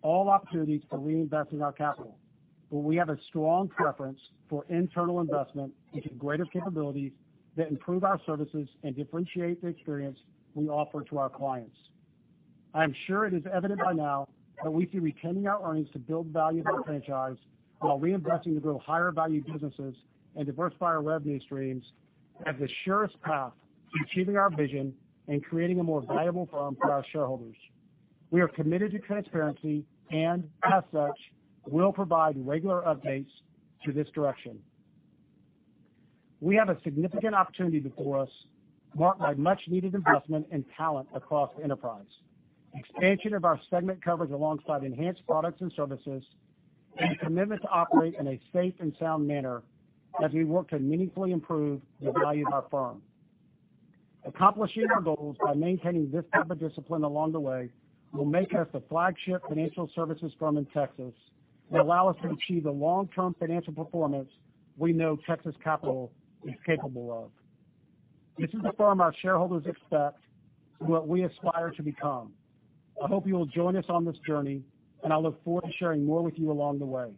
all opportunities to reinvest in our capital, but we have a strong preference for internal investment into greater capabilities that improve our services and differentiate the experience we offer to our clients. I am sure it is evident by now that we see retaining our earnings to build value of our franchise while reinvesting to grow higher value businesses and diversify our revenue streams as the surest path to achieving our vision and creating a more valuable firm for our shareholders. We are committed to transparency, and as such, will provide regular updates to this direction. We have a significant opportunity before us, marked by much needed investment and talent across the enterprise, expansion of our segment coverage alongside enhanced products and services, and a commitment to operate in a safe and sound manner as we work to meaningfully improve the value of our firm. Accomplishing our goals by maintaining this type of discipline along the way will make us the flagship financial services firm in Texas and allow us to achieve the long-term financial performance we know Texas Capital is capable of. This is the firm our shareholders expect and what we aspire to become. I hope you will join us on this journey, and I look forward to sharing more with you along the way.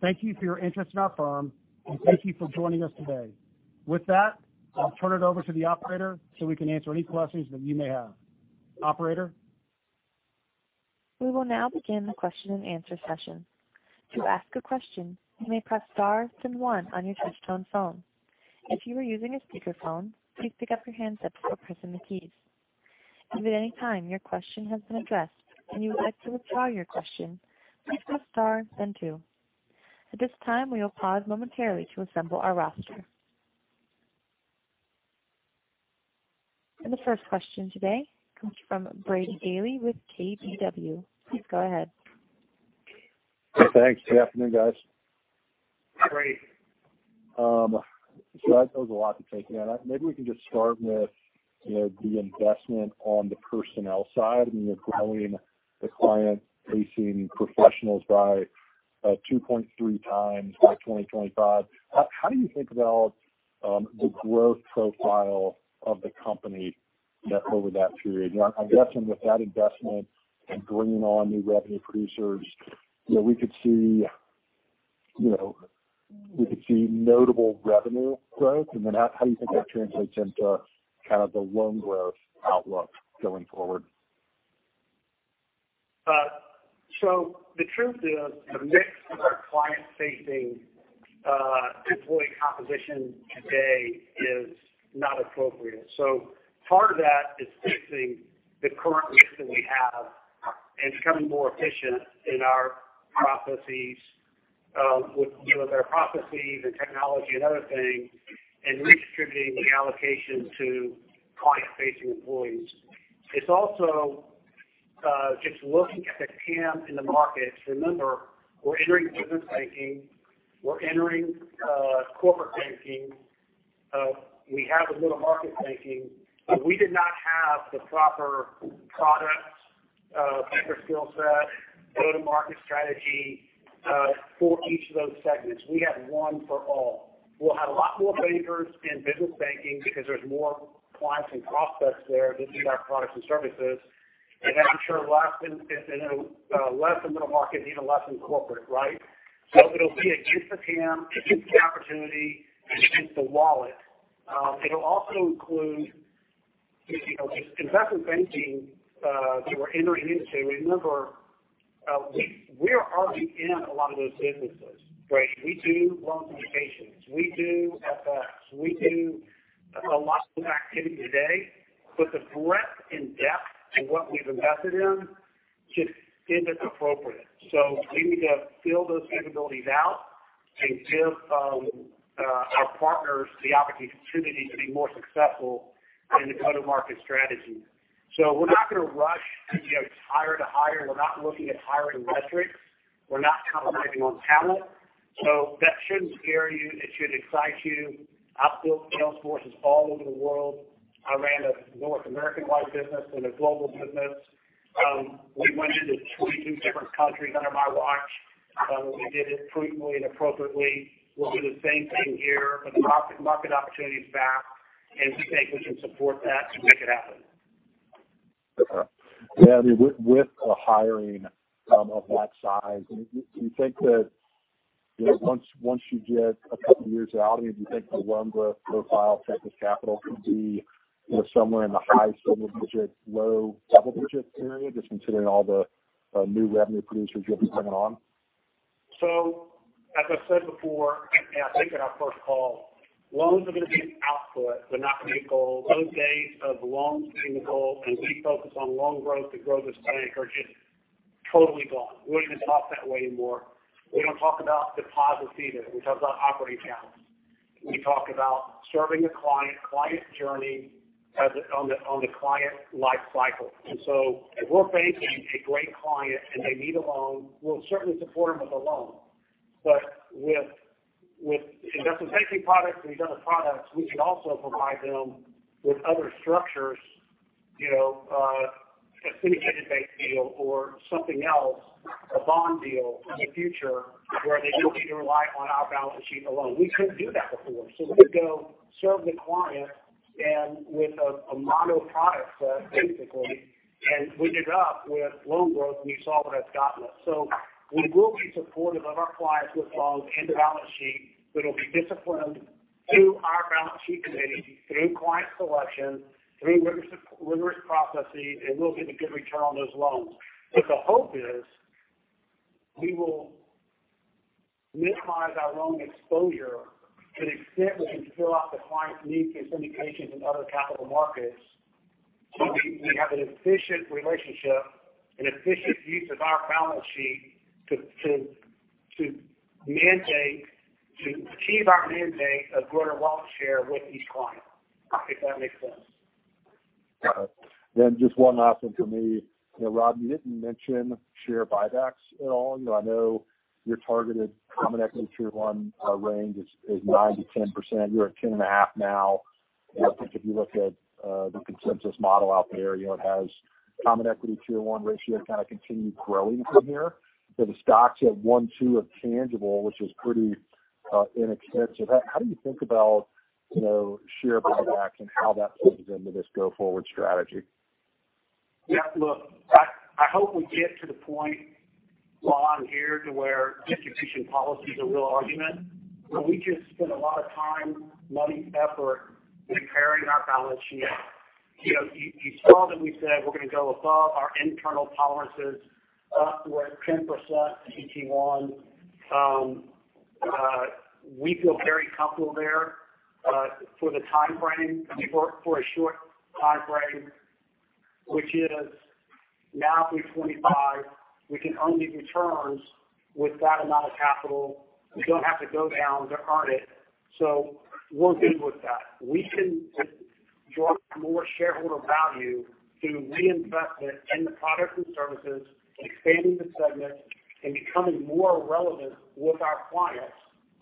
Thank you for your interest in our firm, and thank you for joining us today. With that, I'll turn it over to the operator so we can answer any questions that you may have. Operator? We will now begin the question and answer session. To ask a question, you may press star then one on your touchtone phone. If you are using a speakerphone, please pick up your handset before pressing the keys. If at any time your question has been addressed and you would like to withdraw your question, please press star then two. At this time we will pause momentarily to assemble our roster. The first question today comes from Brady Gailey with KBW. Please go ahead. Thanks. Good afternoon, guys. Brady. That was a lot to take in. Maybe we can just start with the investment on the personnel side. You're growing the client-facing professionals by 2.3x by 2025. How do you think about the growth profile of the company over that period? I'm guessing with that investment and bringing on new revenue producers, we could see notable revenue growth. How do you think that translates into the loan growth outlook going forward? The truth is the mix of our client-facing employee composition today is not appropriate. Part of that is fixing the current mix that we have and becoming more efficient in our processes with better processes and technology and other things, and redistributing the allocation to client-facing employees. It's also just looking at the TAM in the market. Remember, we're entering business banking. We're entering corporate banking. We have the middle-market banking. We did not have the proper products, proper skill set, go-to-market strategy for each of those segments. We had one for all. We'll have a lot more bankers in business banking because there's more clients and prospects there that need our products and services. I'm sure less in middle market and even less in corporate, right? It'll be against the TAM, against the opportunity, against the wallet. It'll also include investment banking that we're entering into. Remember, we're already in a lot of those businesses. Brady, we do loan syndications. We do FX. We do a lot of that activity today. The breadth and depth in what we've invested in just isn't appropriate. We need to build those capabilities out and give our partners the opportunity to be more successful in the go-to-market strategy. We're not going to rush to hire to hire. We're not looking at hiring metrics. We're not compromising on talent. That shouldn't scare you. It should excite you. I've built sales forces all over the world. I ran a North American-wide business and a global business. We went into 22 different countries under my watch. We did it prudently and appropriately. We'll do the same thing here. The market opportunity is vast, and we think we can support that to make it happen. Yeah. With a hiring of that size, do you think that once you get a couple years out, do you think the loan growth profile of Texas Capital could be somewhere in the high single digits, low double-digit area, just considering all the new revenue producers you'll be bringing on? As I said before, and I think at our first call, loans are going to be an output. They're not going to be a goal. Those days of loans being a goal and we focus on loan growth to grow this bank are just totally gone. We don't even talk that way anymore. We don't talk about deposits either. We talk about operating balance. We talk about serving the client journey on the client life cycle. If we're banking a great client and they need a loan, we'll certainly support them with a loan. With investment banking products and these other products, we can also provide them with other structures, a syndicated bank deal or something else, a bond deal in the future where they don't need to rely on our balance sheet alone. We couldn't do that before. We could go serve the client and with a mono product set, basically, and we did it up with loan growth and you saw where that's gotten us. We will be supportive of our clients with loans and the balance sheet, but it'll be disciplined through our balance sheet committee, through client selection, through risk processes, and we'll get a good return on those loans. The hope is we will minimize our loan exposure to the extent we can fill out the client's needs in syndications and other capital markets. We have an efficient relationship and efficient use of our balance sheet to achieve our mandate of growing wallet share with each client, if that makes sense. Got it. Just one last one from me. Rob, you didn't mention share buybacks at all. I know your targeted Common Equity Tier 1 range is 9%-10%. You're at 10.5% now. I think if you look at the consensus model out there, it has Common Equity Tier 1 ratio kind of continue growing from here. The stock's at 1.2x of tangible, which is pretty inexpensive. How do you think about share buybacks and how that plays into this go-forward strategy? Look, I hope we get to the point while I'm here to where distribution policy is a real argument. We just spent a lot of time, money, effort in carrying our balance sheet. You saw that we said we're going to go above our internal tolerances up to 10% CET1. We feel very comfortable there for the time frame. For a short time frame, which is now through 2025, we can own these returns with that amount of capital. We don't have to go down to earn it. We're good with that. We can draw more shareholder value through reinvestment in the products and services, expanding the segment, and becoming more relevant with our clients,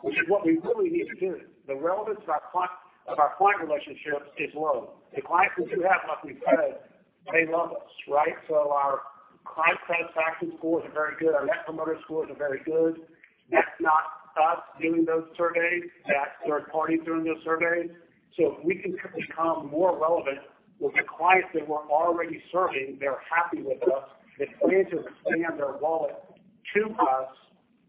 which is what we really need to do. The relevance of our client relationships is low. The clients that we do have, like we've said, they love us. Our client satisfaction scores are very good. Our Net Promoter Scores are very good. That's not us doing those surveys. That's third parties doing those surveys. If we can become more relevant with the clients that we're already serving, they're happy with us. They're going to expand their wallet to us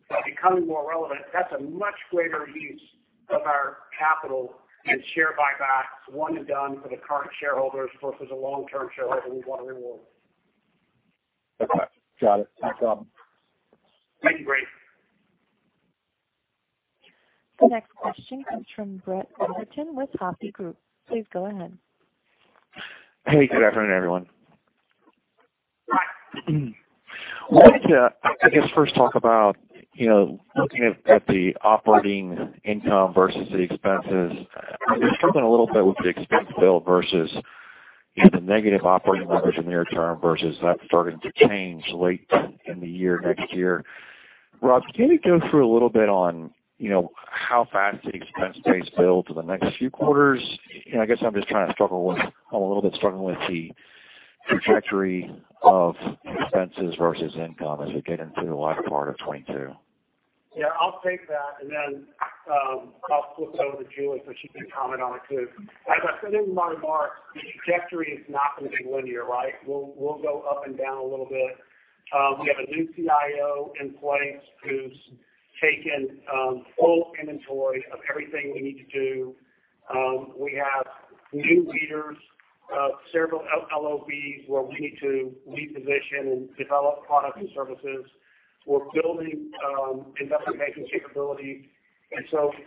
by becoming more relevant. That's a much greater use of our capital than share buybacks. One and done for the current shareholders versus a long-term shareholder we want to reward. Okay. Got it. Thanks, Rob. Thank you, Brady. The next question comes from Brett Rabatin with Hovde Group. Please go ahead. Hey, good afternoon, everyone. Hi. I wanted to, I guess, first talk about looking at the operating income versus the expenses. You're struggling a little bit with the expense bill versus the negative operating leverage in the near term versus that starting to change late in the year next year. Rob, can you go through a little bit on how fast the expense base builds in the next few quarters? I guess I'm just a little bit struggling with the trajectory of expenses versus income as we get into the latter part of 2022. I'll take that, then I'll flip it over to Julie so she can comment on it too. As I said in my remarks, the trajectory is not going to be linear. We'll go up and down a little bit. We have a new CIO in place who's taken full inventory of everything we need to do. We have new leaders of several LOBs where we need to reposition and develop products and services. We're building investment banking capabilities.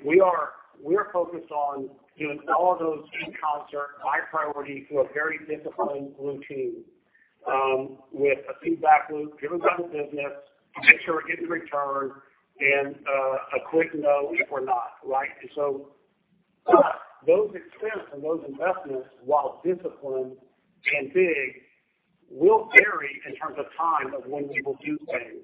We are focused on doing all of those in concert, high priority to a very disciplined routine with a feedback loop. If it was out of business, make sure we're getting return and a quick no if we're not. Those expenses and those investments, while disciplined and big, will vary in terms of time of when we will do things.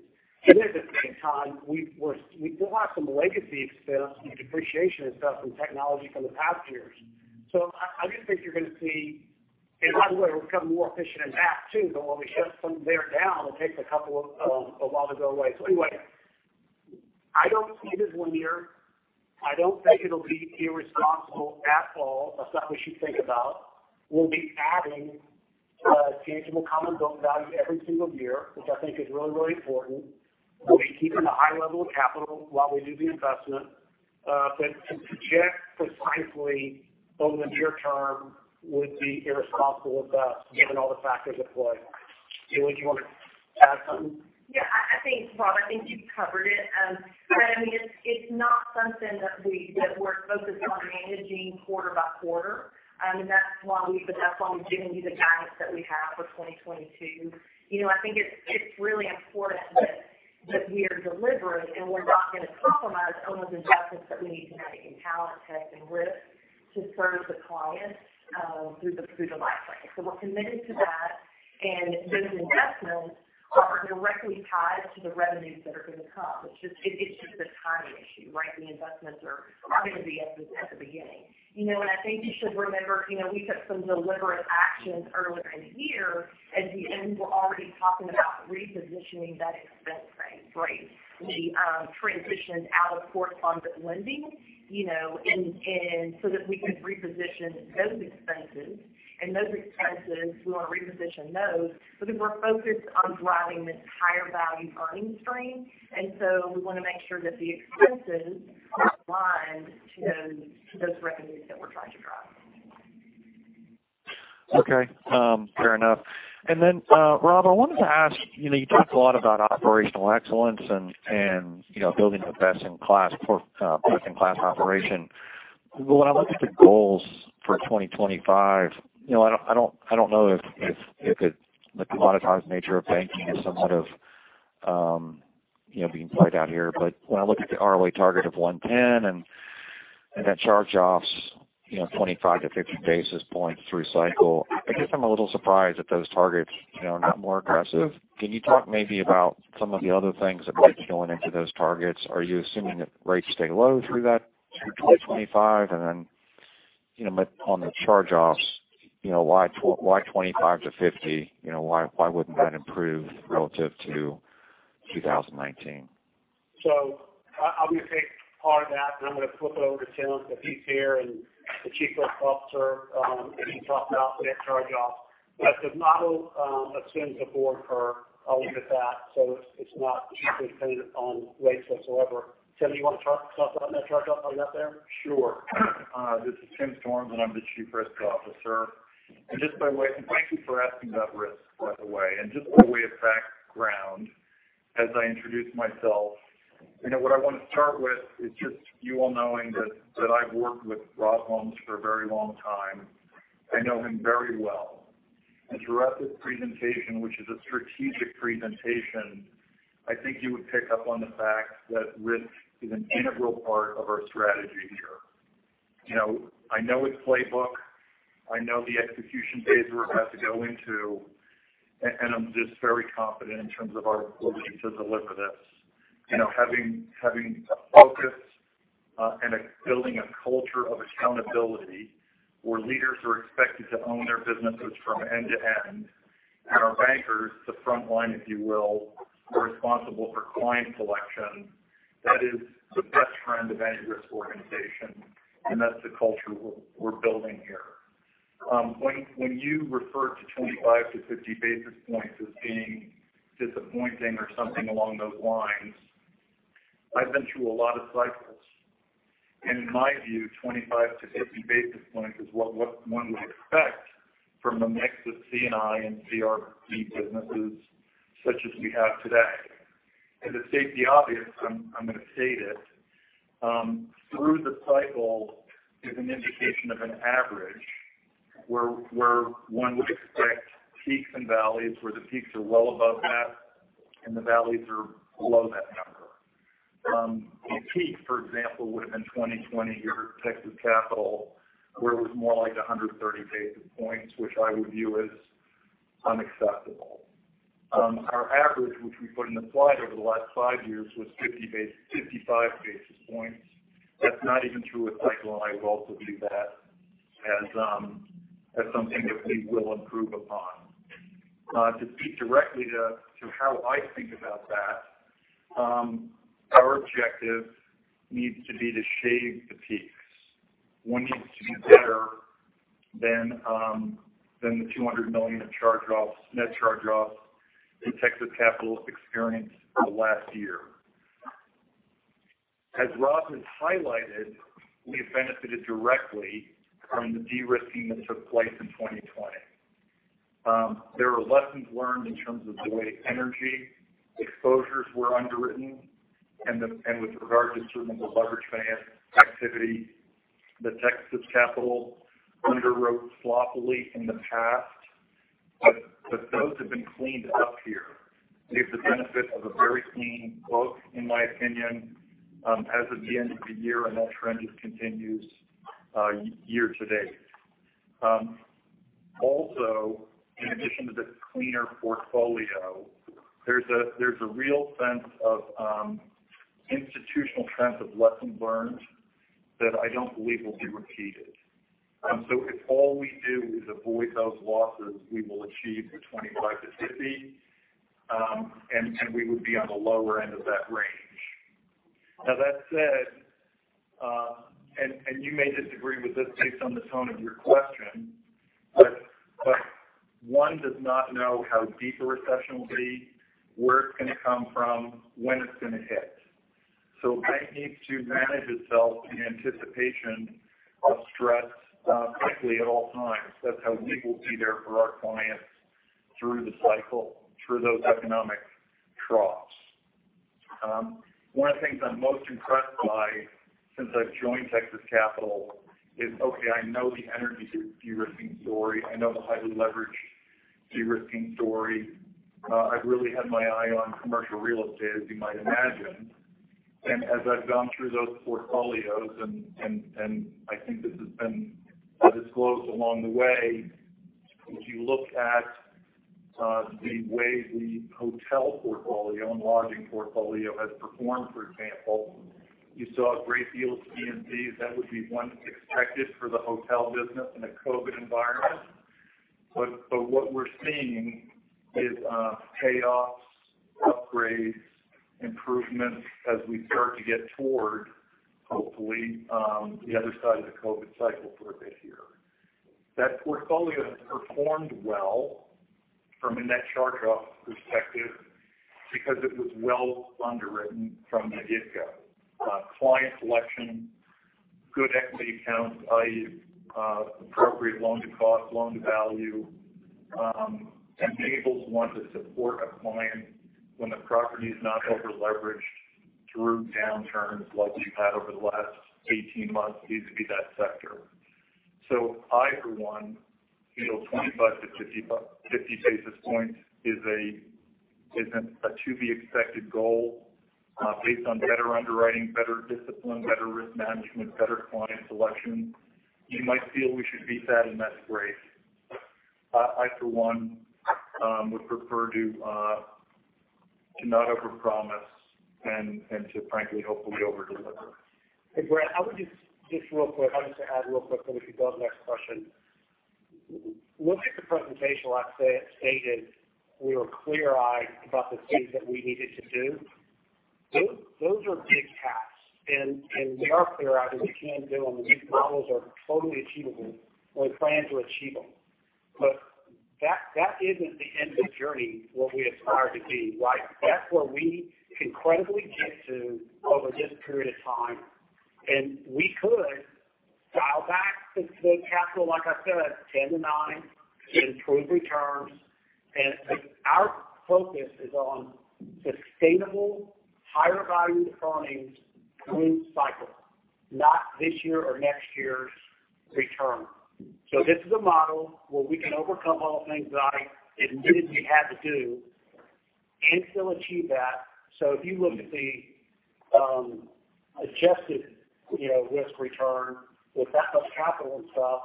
At the same time, we still have some legacy expense and depreciation expense and technology from the past years. I just think you're going to see, and by the way, we've become more efficient in that too. When we shut some of there down, it takes a while to go away. I don't see it as one year. I don't think it'll be irresponsible at all as something we should think about. We'll be adding tangible common book value every single year, which I think is really important. We'll be keeping a high level of capital while we do the investment. To project precisely over the near term would be irresponsible of us, given all the factors at play. Julie, do you want to add something? Yeah. Rob, I think you've covered it. It's not something that we're focused on managing quarter by quarter. That's why we've given you the guidance that we have for 2022. I think it's really important that we are deliberate and we're not going to compromise on those investments that we need to make in talent, tech, and risk to serve the clients through the life cycle. We're committed to that, and those investments are directly tied to the revenues that are going to come. It's just a timing issue. The investments are going to be at the beginning. I think you should remember, we took some deliberate actions earlier in the year as we were already talking about repositioning that expense base. We transitioned out of correspondent lending so that we could reposition those expenses. Those expenses, we want to reposition those because we're focused on driving this higher value earnings stream. We want to make sure that the expenses are aligned to those revenues that we're trying to drive. Okay. Fair enough. Rob, I wanted to ask, you talked a lot about operational excellence and building the best-in-class operation. When I look at the goals for 2025, I don't know if the commoditized nature of banking is somewhat of being played out here. When I look at the ROA target of 110 and that charge-offs 25-50 basis points through cycle, I guess I'm a little surprised that those targets are not more aggressive. Can you talk maybe about some of the other things that get you into those targets? Are you assuming that rates stay low through that through 2025? On the charge-offs, why 25-50? Why wouldn't that improve relative to 2019? I'm going to take part of that and I'm going to flip it over to Tim since he's here and the Chief Risk Officer, and he can talk about the net charge-offs. The model assumes a. I'll leave it at that. It's not dependent on rates whatsoever. Tim, do you want to talk about net charge-off on that there? Sure. This is Tim Storms, and I'm the Chief Risk Officer. Just by way, thank you for asking about risk, by the way. Just by way of background. As I introduce myself, what I want to start with is just you all knowing that I've worked with Rob Holmes for a very long time. I know him very well. Throughout this presentation, which is a strategic presentation, I think you would pick up on the fact that risk is an integral part of our strategy here. I know its playbook. I know the execution phase we're about to go into, and I'm just very confident in terms of our ability to deliver this. Having a focus and building a culture of accountability where leaders are expected to own their businesses from end to end, and our bankers, the front line, if you will, are responsible for client selection. That is the best friend of any risk organization, and that's the culture we're building here. When you refer to 25-50 basis points as being disappointing or something along those lines, I've been through a lot of cycles, and in my view, 25-50 basis points is what one would expect from a mix of C&I and CRE businesses such as we have today. To state the obvious, I'm going to state it. Through the cycle is an indication of an average where one would expect peaks and valleys, where the peaks are well above that and the valleys are below that number. A peak, for example, would've been 2020 here at Texas Capital, where it was more like 130 basis points, which I would view as unacceptable. Our average, which we put in the slide over the last five years, was 55 basis points. That's not even through a cycle, and I would also view that as something that we will improve upon. To speak directly to how I think about that, our objective needs to be to shave the peaks. One needs to be better than the $200 million of net charge-offs that Texas Capital experienced last year. As Rob has highlighted, we've benefited directly from the de-risking that took place in 2020. There were lessons learned in terms of the way energy exposures were underwritten and with regard to certain of the leverage finance activity that Texas Capital underwrote sloppily in the past. Those have been cleaned up here. We have the benefit of a very clean book, in my opinion as of the end of the year, and that trend just continues year to date. In addition to the cleaner portfolio, there's a real institutional sense of lessons learned that I don't believe will be repeated. If all we do is avoid those losses, we will achieve the 25-50, and we would be on the lower end of that range. That said, you may disagree with this based on the tone of your question, one does not know how deep a recession will be, where it's going to come from, when it's going to hit. A bank needs to manage itself in anticipation of stress constantly at all times. That's how we will be there for our clients through the cycle, through those economic troughs. One of the things I'm most impressed by since I've joined Texas Capital is, okay, I know the energy de-risking story. I know the highly leveraged de-risking story. I've really had my eye on commercial real estate, as you might imagine. As I've gone through those portfolios and I think this has been disclosed along the way, if you look at the way the hotel portfolio and lodging portfolio has performed, for example, you saw a great deal of CMBS. That would be one expected for the hotel business in a COVID environment. What we're seeing is payoffs, upgrades, improvements as we start to get toward, hopefully, the other side of the COVID cycle for a bit here. That portfolio has performed well from a net charge-off perspective because it was well underwritten from the get-go. Client selection, good equity account value, appropriate loan to cost, loan to value enables one to support a client when the property is not over-leveraged through downturns like we've had over the last 18 months vis-a-vis that sector. I, for one, feel 25-50 basis points is a to-be-expected goal based on better underwriting, better discipline, better risk management, better client selection. You might feel we should beat that, and that's great. I, for one, would prefer to not overpromise and to frankly, hopefully overdeliver. Hey, Brett, I would just add real quick, then we can go to the next question. Looking at the presentation, when I stated we were clear-eyed about the things that we needed to do, those are big tasks, and we are clear-eyed and we can do them, and these numbers are totally achievable, and we plan to achieve them. That isn't the end of the journey of what we aspire to be. That's where we can credibly get to over this period of time. Now back to the capital, like I said, 10-9 improved returns. Our focus is on sustainable higher value earnings through the cycle, not this year or next year's return. This is a model where we can overcome all the things that I admitted we had to do and still achieve that. If you look at the adjusted risk return without the capital and stuff,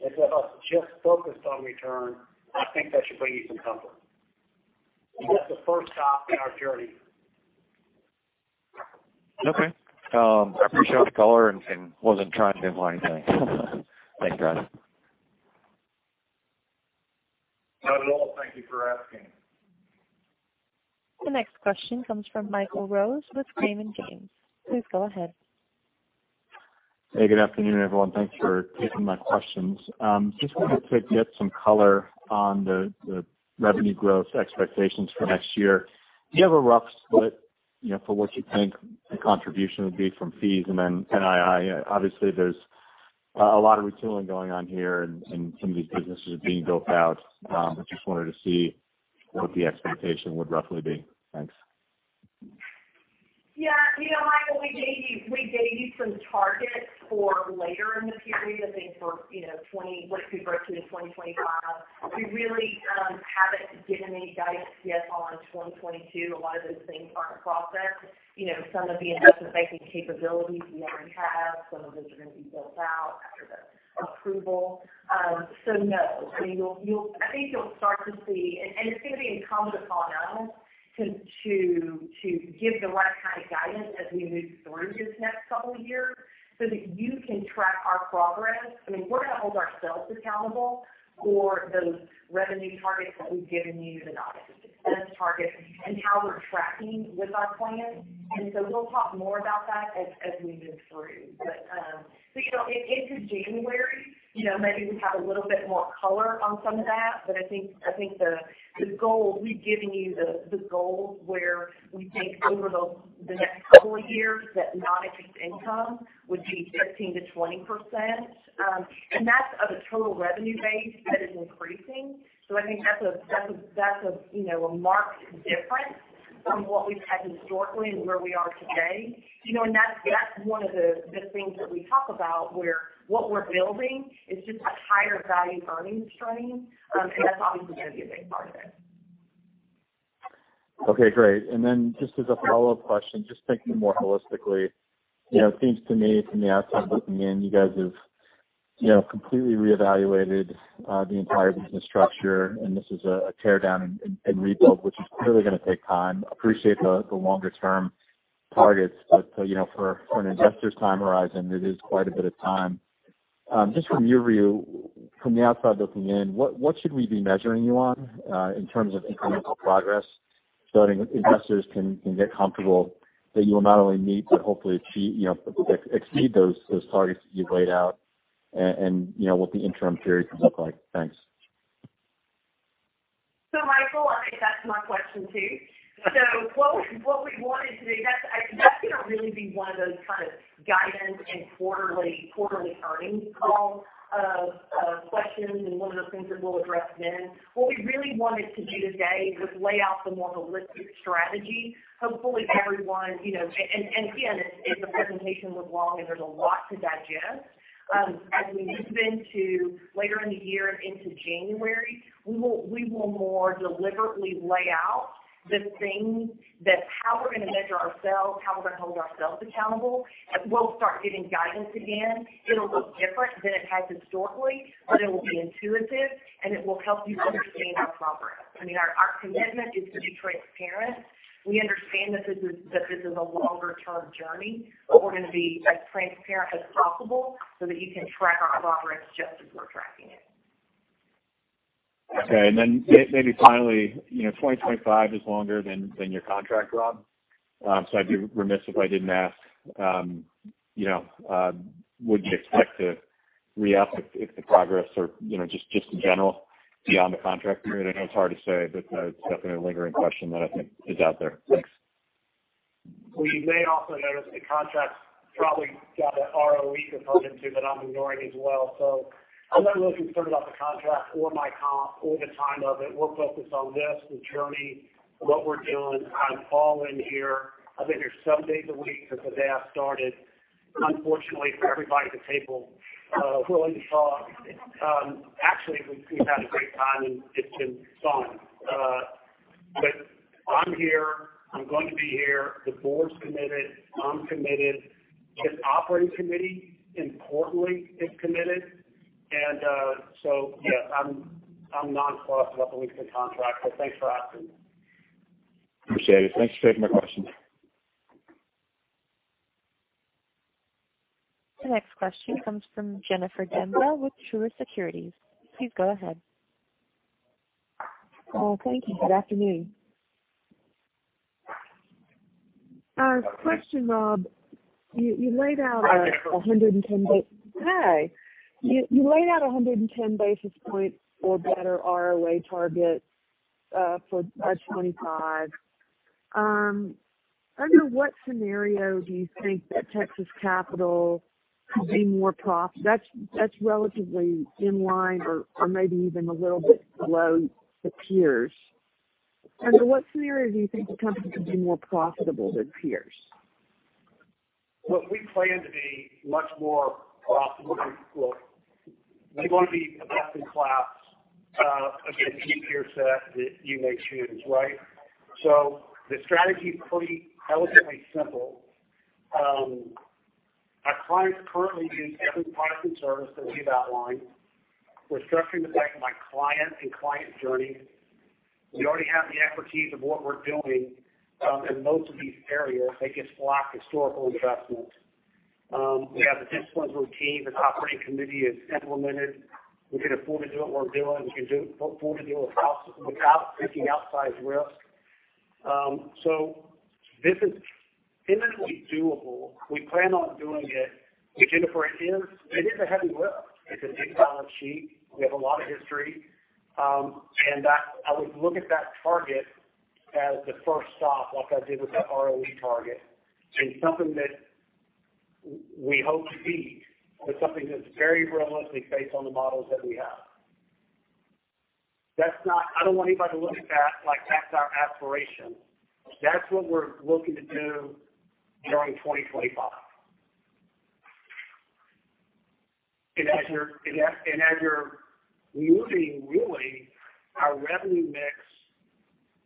instead of us just focused on return, I think that should bring you some comfort. That's the first stop in our journey. Okay. I appreciate the color and wasn't trying to imply anything. Thanks, guys. Not at all. Thank you for asking. The next question comes from Michael Rose with Raymond James. Please go ahead. Hey, good afternoon, everyone. Thanks for taking my questions. Just wanted to get some color on the revenue growth expectations for next year. Do you have a rough split for what you think the contribution would be from fees? NII, obviously there's a lot of retooling going on here and some of these businesses are being built out. I just wanted to see what the expectation would roughly be. Thanks. Yeah. Michael, we gave you some targets for later in the period, I think for what we broke through to 2025. We really haven't given any guidance yet on 2022. A lot of those things aren't processed. Some of the investment banking capabilities we already have, some of those are going to be built out after the approval. No, I think you'll start to see, and it's going to be incumbent upon us to give the right kind of guidance as we move through this next couple of years so that you can track our progress. We're going to hold ourselves accountable for those revenue targets that we've given you, the non-interest expense targets, and how they're tracking with our plan. We'll talk more about that as we move through. Into January, maybe we have a little bit more color on some of that. I think the goal we've given you, the goal where we think over the next couple of years that non-interest income would be 13%-20%, and that's of a total revenue base that is increasing. I think that's a marked difference from what we've had historically and where we are today. That's one of the things that we talk about where what we're building is just a higher value earnings stream. That's obviously going to be a big part of it. Okay, great. Just as a follow-up question, just thinking more holistically. It seems to me from the outside looking in, you guys have completely reevaluated the entire business structure, and this is a tear down and rebuild, which is clearly going to take time. Appreciate the longer term targets, for an investor's time horizon, it is quite a bit of time. Just from your view from the outside looking in, what should we be measuring you on in terms of incremental progress so that investors can get comfortable that you will not only meet, but hopefully exceed those targets that you've laid out and what the interim period looks like? Thanks. Michael, I think that's my question too. What we wanted to do, that's going to really be one of those kind of guidance and quarterly earnings call questions and one of those things that we'll address then. What we really wanted to do today was lay out the more holistic strategy. Hopefully everyone, and again, the presentation was long and there's a lot to digest. As we move into later in the year and into January, we will more deliberately lay out the things that how we're going to measure ourselves, how we're going to hold ourselves accountable. We'll start giving guidance again. It'll look different than it has historically, but it will be intuitive, and it will help you understand our progress. Our commitment is to be transparent. We understand that this is a longer term journey, but we're going to be as transparent as possible so that you can track our progress just as we're tracking it. Okay. Maybe finally, 2025 is longer than your contract, Rob. I'd be remiss if I didn't ask would you expect to re-up if the progress or just in general beyond the contract period? I know it's hard to say, but it's definitely a lingering question that I think is out there. Thanks. Well, you may also notice the contract's probably got an ROE component to it that I'm ignoring as well. I'm not really concerned about the contract or my comp or the time of it. We're focused on this, the journey, what we're doing. I'm all in here. I've been here seven days a week since the day I started, unfortunately for everybody at the table willing to talk. Actually, we've had a great time and it's been fun. I'm here. I'm going to be here. The board's committed. I'm committed. This operating committee, importantly, is committed. Yes, I'm nonplussed about the length of the contract. Thanks for asking. Appreciate it. Thanks for taking my question. The next question comes from Jennifer Demba with Truist Securities. Please go ahead. Thank you. Good afternoon. Question, Rob. You laid out 110- Hi, Jennifer. Hi. You laid out 110 basis points or better ROA target by 2025. That's relatively in line or maybe even a little bit below the peers. Under what scenario do you think the company could be more profitable than peers? Well, we plan to be much more profitable. We want to be a best in class against any peer set that you may choose, right? The strategy is pretty elegantly simple. Our clients currently use every product and service that we've outlined. We're structuring this by client and client journey. We already have the expertise of what we're doing in most of these areas. It gets blocked historical investment. We have the disciplined routine and operating committee is implemented. We can afford to do what we're doing. We can afford to do it without taking outsized risk. This is infinitely doable. We plan on doing it. Jennifer, it is a heavy lift. It's a big balance sheet. We have a lot of history. I would look at that target as the first stop, like I did with the ROE target. It's something that we hope to beat, but something that's very realistic based on the models that we have. I don't want anybody to look at that like that's our aspiration. That's what we're looking to do during 2025. As you're moving really our revenue mix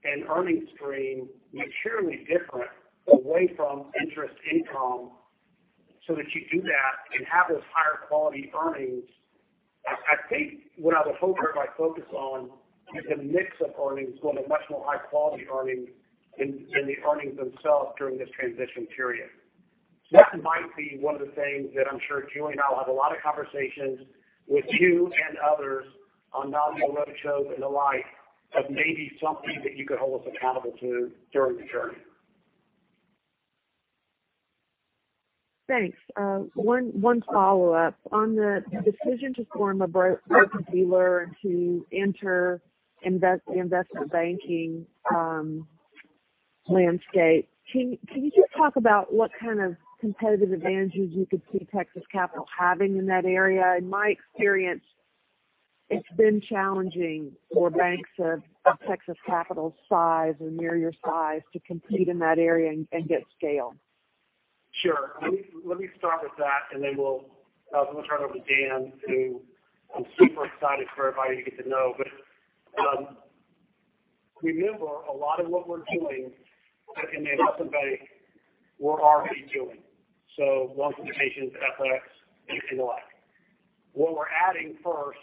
and earnings stream materially different away from interest income, so that you do that and have those higher quality earnings. I think what I would hope everybody focus on is the mix of earnings going to much more high quality earnings than the earnings themselves during this transition period. That might be one of the things that I'm sure Julie and I will have a lot of conversations with you and others on non-road shows and the like of maybe something that you could hold us accountable to during the journey. Thanks. One follow-up. On the decision to form a broker-dealer to enter investment banking landscape, can you just talk about what kind of competitive advantages you could see Texas Capital having in that area? In my experience, it has been challenging for banks of Texas Capital's size or near your size to compete in that area and get scale. Sure. Let me start with that, then I was going to turn it over to Dan, who I'm super excited for everybody to get to know. Remember, a lot of what we're doing in the investment bank, we're already doing. Loans syndications, FX and the like. What we're adding first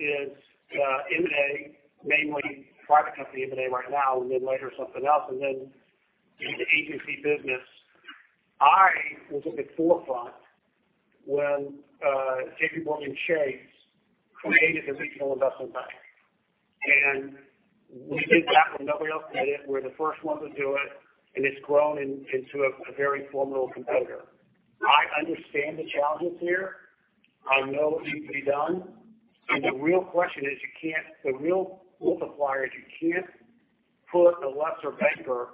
is M&A, mainly private company M&A right now, then later something else. The agency business. I was at the forefront when JPMorgan Chase created the regional investment bank. We did that when nobody else did it. We're the first one to do it, and it's grown into a very formidable competitor. I understand the challenges here. I know it can be done. The real question is the real multiplier is you can't put a lesser banker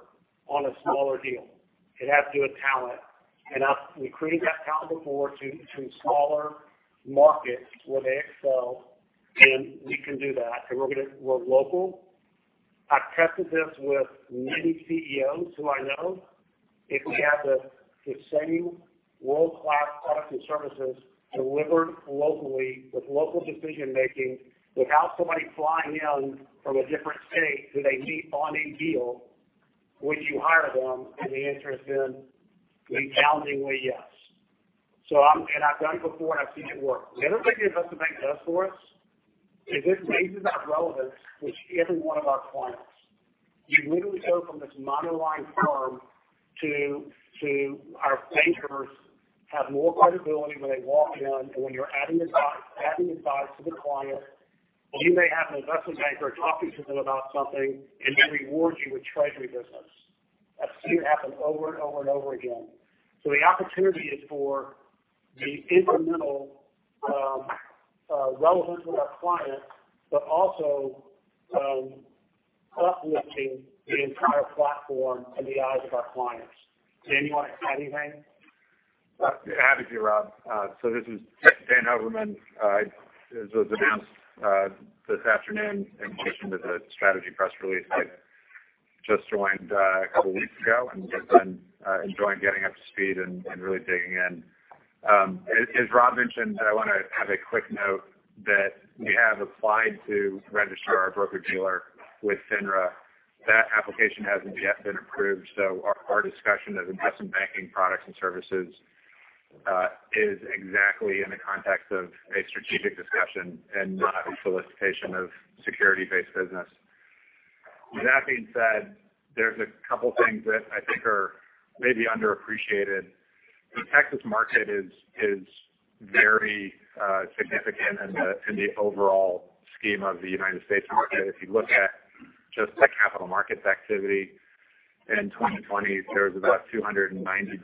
on a smaller deal. It has to do with talent. We created that talent before to smaller markets where they excel, and we can do that. We're local. I've tested this with many CEOs who I know. If we have the same world-class products and services delivered locally with local decision-making without somebody flying in from a different state to a lead bonding deal, would you hire them? The answer has been a resoundingly yes. I've done it before, and I've seen it work. The other thing the investment bank does for us is it raises our relevance with every one of our clients. You literally go from this monoline firm to our bankers have more credibility when they walk in. When you're adding advice to the client, or you may have an investment banker talking to them about something, and they reward you with treasury business. I've seen it happen over and over and over again. The opportunity is for the incremental relevance with our clients, but also uplifting the entire platform in the eyes of our clients. Dan, you want to add anything? Happy to, Rob. This is Dan Hoverman. As was announced this afternoon in conjunction with the strategy press release, I just joined a couple weeks ago and have been enjoying getting up to speed and really digging in. As Rob mentioned, I want to have a quick note that we have applied to register our broker-dealer with FINRA. That application hasn't yet been approved, our discussion of investment banking products and services is exactly in the context of a strategic discussion and not a solicitation of security-based business. With that being said, there's a couple things that I think are maybe underappreciated. The Texas market is very significant in the overall scheme of the U.S. market. If you look at just the capital markets activity in 2020, there was about $290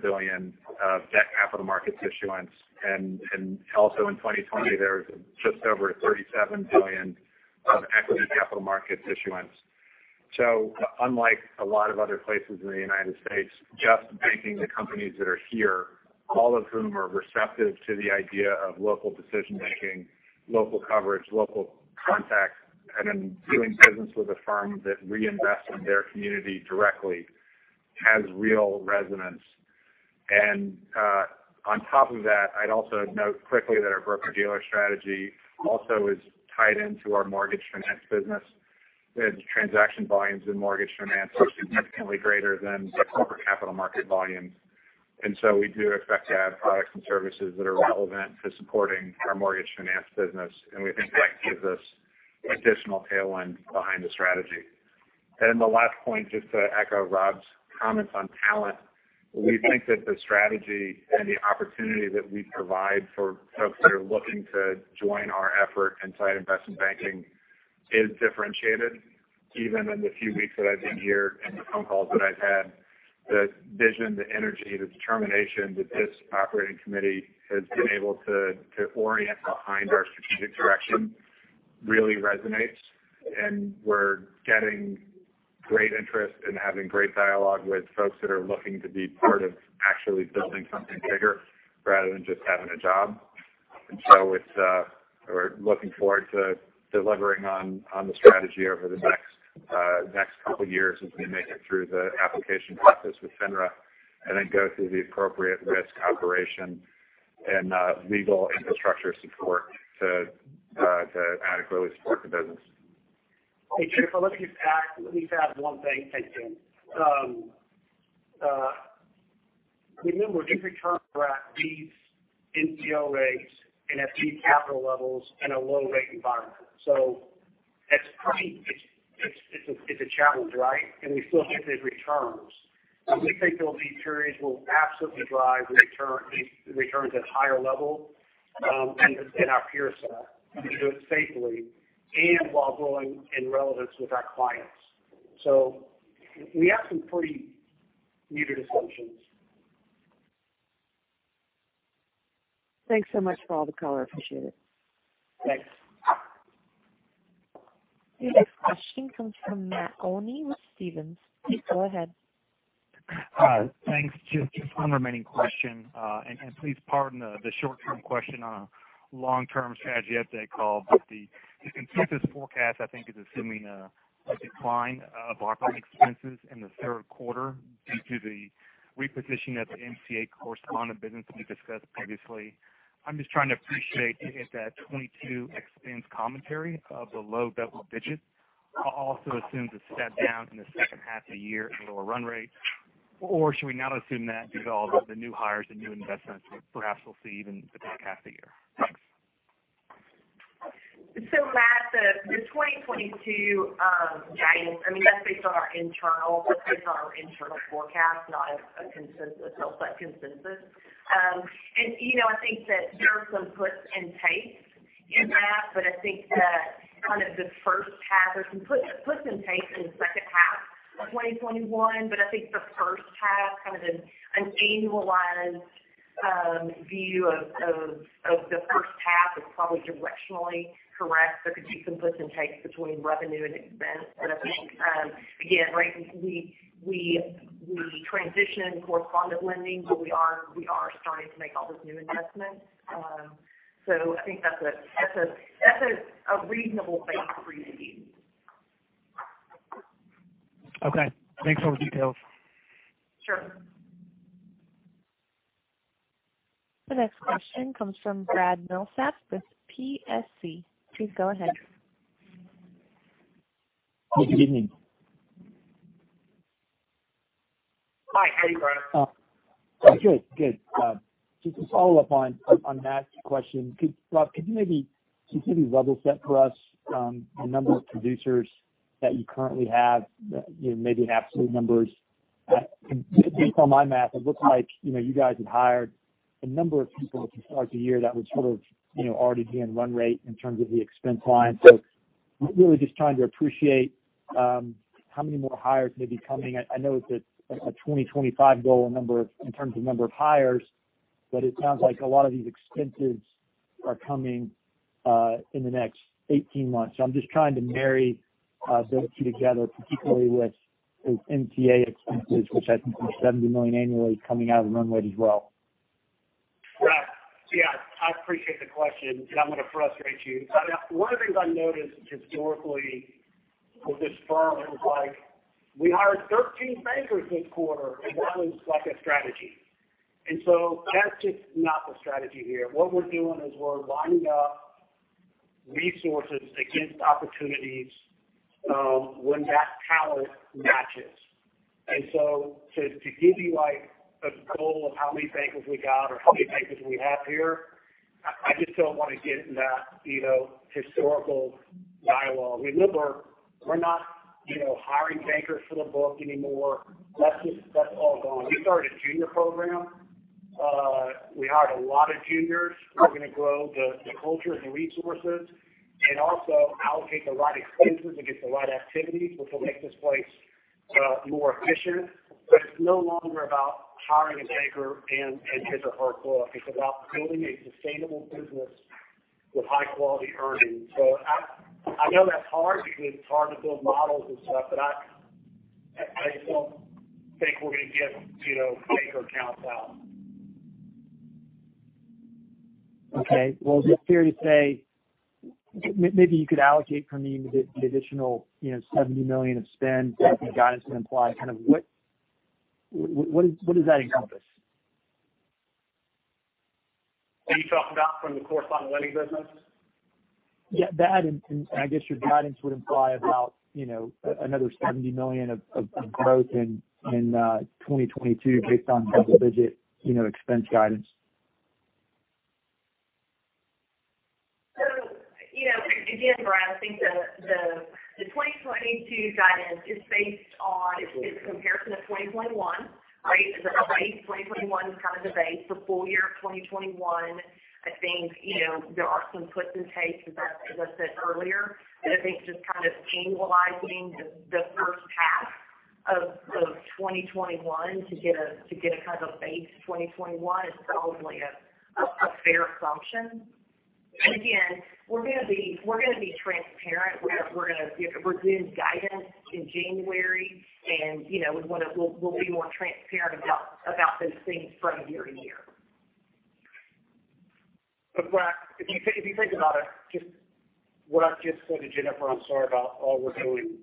billion of debt capital markets issuance. Also in 2020, there was just over $37 billion of equity capital markets issuance. Unlike a lot of other places in the United States, just banking the companies that are here, all of whom are receptive to the idea of local decision-making, local coverage, local contacts, and then doing business with a firm that reinvests in their community directly, has real resonance. On top of that, I'd also note quickly that our broker-dealer strategy also is tied into our mortgage finance business. The transaction volumes in mortgage finance are significantly greater than the corporate capital market volumes. We do expect to add products and services that are relevant to supporting our mortgage finance business, and we think that gives us additional tailwind behind the strategy. The last point, just to echo Rob's comments on talent, we think that the strategy and the opportunity that we provide for folks that are looking to join our effort inside investment banking is differentiated. Even in the few weeks that I've been here and the phone calls that I've had, the vision, the energy, the determination that this operating committee has been able to orient behind our strategic direction really resonates. We're getting great interest and having great dialogue with folks that are looking to be part of actually building something bigger rather than just having a job. We're looking forward to delivering on the strategy over the next couple years as we make it through the application process with FINRA and then go through the appropriate risk, operation, and legal infrastructure support to adequately support the business. Hey, Jennifer, let me just add one thing, if I can. Remember, different contract deeds, NCO rates, NFT capital levels in a low rate environment. It's a challenge, right? We still have good returns. We think there'll be periods we'll absolutely drive returns at higher level in our peer set, and do it safely, and while growing in relevance with our clients. We have some pretty muted assumptions. Thanks so much for all the color. Appreciate it. Thanks. The next question comes from Matt Olney with Stephens. Please go ahead. Hi. Thanks. Just one remaining question. Please pardon the short-term question on a long-term strategy update call. The consensus forecast, I think, is assuming a decline of operating expenses in the third quarter due to the repositioning of the MCA correspondent business we discussed previously. I'm just trying to appreciate if that 2022 expense commentary of the low double digits also assumes a step down in the second half of the year at a lower run rate. Should we not assume that because all the new hires and new investments perhaps we'll see even the back half of the year? Thanks. Matt, the 2022 guidance, that's based on our internal forecast, not a consensus. I think that there are some puts and takes in that, but I think that the first half or some puts and takes in the second half of 2021. I think the first half, an annualized view of the first half is probably directionally correct. There could be some puts and takes between revenue and expense. I think, again, we transition in correspondent lending, but we are starting to make all those new investments. I think that's a reasonable base for you to use. Okay. Thanks for all the details. Sure. The next question comes from Brad Milsaps with PSC. Please go ahead. Good evening. Hi. How are you, Brad? Good. Just to follow up on Matt's question. Rob, could you maybe level set for us the number of producers that you currently have, maybe in absolute numbers? Based on my math, it looks like you guys have hired a number of people at the start of the year that was already being run rate in terms of the expense line. Really just trying to appreciate how many more hires may be coming. I know there's a 2025 goal in terms of number of hires, but it sounds like a lot of these expenses are coming in the next 18 months. I'm just trying to marry those two together, particularly with MCA expenses, which I think are $70 million annually coming out of the run rate as well. Brad. Yeah, I appreciate the question. I'm going to frustrate you. One of the things I noticed historically with this firm is like, "We hired 13 bankers this quarter." That was like a strategy. That's just not the strategy here. What we're doing is we're lining up resources against opportunities when that talent matches. To give you a goal of how many bankers we got or how many bankers we have here, I just don't want to get in that historical dialogue. Remember, we're not hiring bankers for the book anymore. That's all gone. We started a junior program. We hired a lot of juniors. We're going to grow the culture, the resources. Also allocate the right expenses against the right activities, which will make this place more efficient. It's no longer about hiring a banker and hit the hard floor. It's about building a sustainable business with high-quality earnings. I know that's hard because it's hard to build models and stuff, but I just don't think we're going to get banker counts out. Okay. Well, is it fair to say maybe you could allocate for me the additional $70 million of spend that the guidance would imply? What does that encompass? Are you talking about from the correspondent lending business? Yeah, that, I guess your guidance would imply about another $70 million of growth in 2022 based on double-digit expense guidance. Again, Brad, I think the 2022 guidance is based on a comparison of 2021. 2021 is kind of the base for full year 2021. I think there are some puts and takes, as I said earlier. I think just kind of annualizing the first half of 2021 to get a kind of base 2021 is probably a fair assumption. Again, we're going to be transparent. We're going to resume guidance in January, and we'll be more transparent about those things from year to year. Brad, if you think about it, just what I've just said to Jennifer, I'm sorry about all we're doing.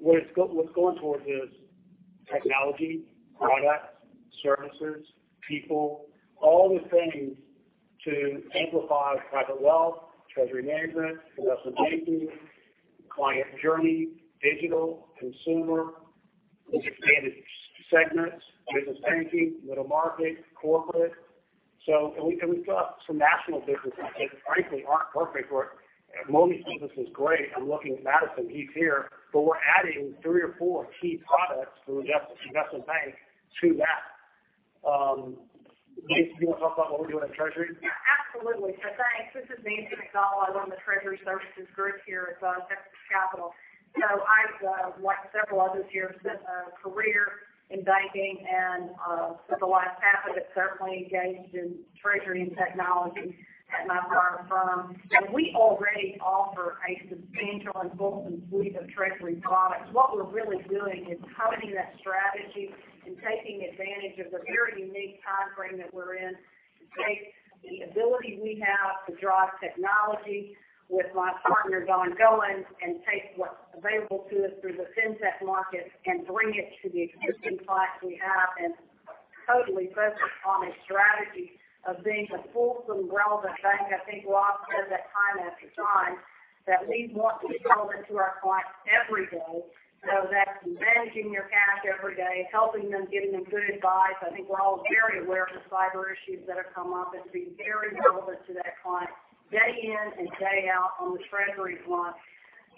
What it's going towards is technology, products, services, people, all the things to amplify Private Wealth, treasury management, Investment Banking, client journey, digital, consumer, those expanded segments, Business Banking, Middle Market, Corporate. We've got some national businesses that frankly aren't perfect for it. Mortgage business is great. I'm looking at Madison, he's here. We're adding three or four key products for Investment Bank to that. Nancy, do you want to talk about what we're doing at Treasury? Yeah, absolutely. Thanks. This is Nancy McDonnell. I run the Treasury Solutions group here at Texas Capital. I've, like several others here, spent a career in banking and for the last half of it, certainly engaged in treasury and technology at my prior firm. We already offer a substantial and wholesome suite of treasury products. What we're really doing is honing that strategy and taking advantage of the very unique time frame that we're in. To take the ability we have to drive technology with my partner, Don Goin, and take what's available to us through the fintech market and bring it to the existing clients we have and totally focus on a strategy of being the wholesome relevant bank. I think Rob said that time after time, that we want to be relevant to our clients every day. That's managing their cash every day, helping them, giving them good advice. I think we're all very aware of the cyber issues that have come up and to be very relevant to that client day in and day out on the treasury front.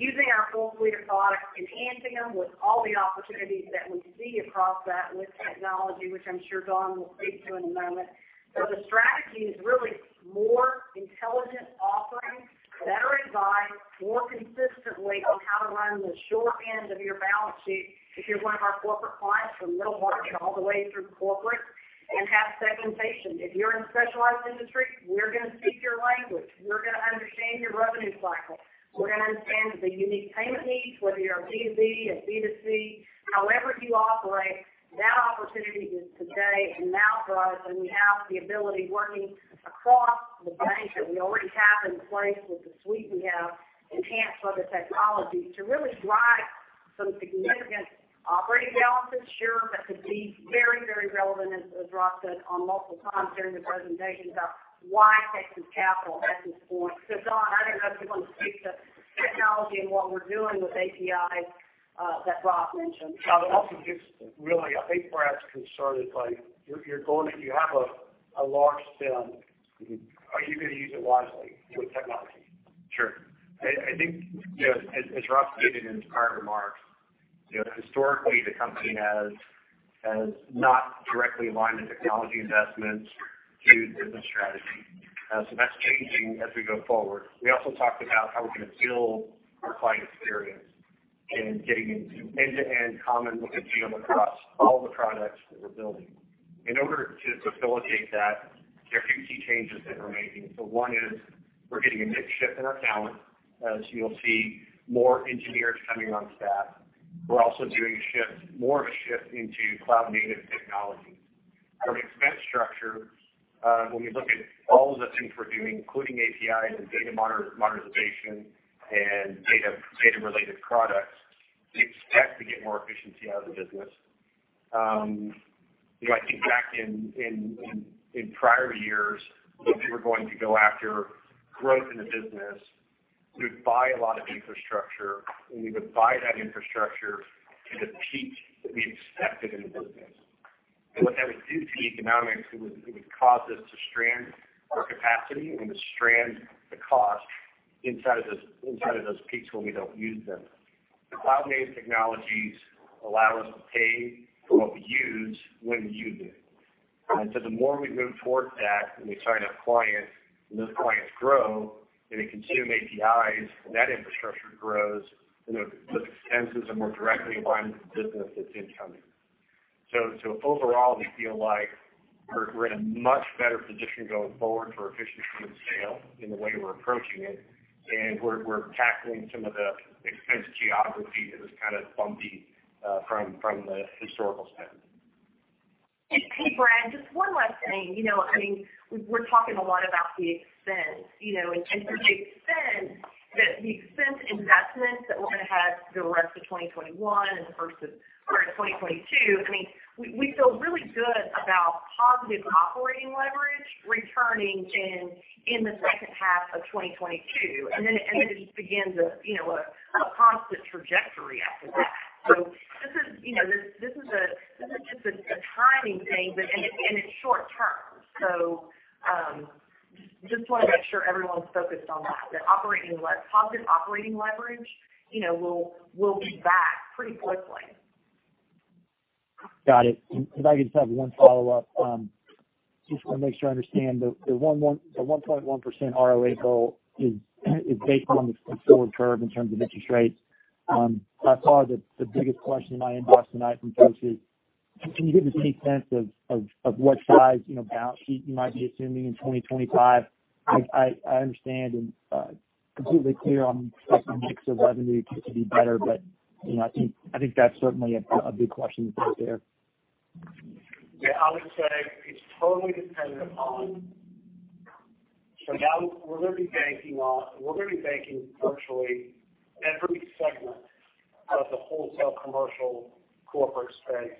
Using our full suite of products, enhancing them with all the opportunities that we see across that with technology, which I'm sure Don will speak to in a moment. The strategy is really more intelligent offerings, better advice, more consistently on how to run the short end of your balance sheet if you're one of our corporate clients from middle market all the way through corporate and have segmentation. If you're in a specialized industry, we're going to speak your language. We're going to understand your revenue cycle. We're going to understand the unique payment needs, whether you're a B2B, a B2C, however you operate. That opportunity is today and now for us. We have the ability working across the bank that we already have in place with the suite we have enhanced by the technology to really drive some significant operating balance, sure, but to be very relevant, as Rob said on multiple times during the presentation, about why Texas Capital at this point. Don, I don't know if you want to speak to technology and what we're doing with APIs that Rob mentioned. I'll also give, really, I think Brad's concern is you have a large spend. Are you going to use it wisely with technology? Sure. I think as Rob stated in his prior remarks, historically the company has not directly aligned the technology investments to the business strategy. That's changing as we go forward. We also talked about how we're going to build our client experience and getting into end-to-end common look and feel across all the products that we're building. In order to facilitate that, there are a few key changes that we're making. One is we're getting a big shift in our talent. As you'll see more engineers coming on staff. We're also doing more of a shift into cloud-native technology. Our expense structure, when we look at all of the things we're doing, including APIs and data modernization and data related products, we expect to get more efficiency out of the business. I think back in prior years, if we were going to go after growth in the business, we would buy a lot of infrastructure, and we would buy that infrastructure to the peak that we expected in the business. What that would do to the economics, it would cause us to strand our capacity and to strand the cost inside of those peaks when we don't use them. The cloud-native technologies allow us to pay for what we use when we use it. The more we move towards that and we sign up clients, and those clients grow and they consume APIs, and that infrastructure grows, those expenses are more directly aligned with the business that's incoming. Overall, we feel like we're in a much better position going forward for efficiency of scale in the way we're approaching it. We're tackling some of the expense geography that was kind of bumpy from the historical spend. Hey, Brad, just one last thing. We're talking a lot about the expense. The expense investment that we're going to have through the rest of 2021 and the first of 2022, we feel really good about positive operating leverage returning in the second half of 2022. It just begins a constant trajectory after that. This is just a timing thing, and it's short term. Just want to make sure everyone's focused on that positive operating leverage will be back pretty quickly. Got it. If I could just have one follow-up. Just want to make sure I understand. The 1.1% ROA goal is based on the forward curve in terms of interest rates. By far, the biggest question in my inbox tonight from folks is, can you give us any sense of what size balance sheet you might be assuming in 2025? I understand and completely clear on the mix of revenue to be better, but I think that's certainly a big question that's out there. Yeah, I would say it's totally dependent. Now we're going to be banking virtually every segment of the wholesale commercial corporate space.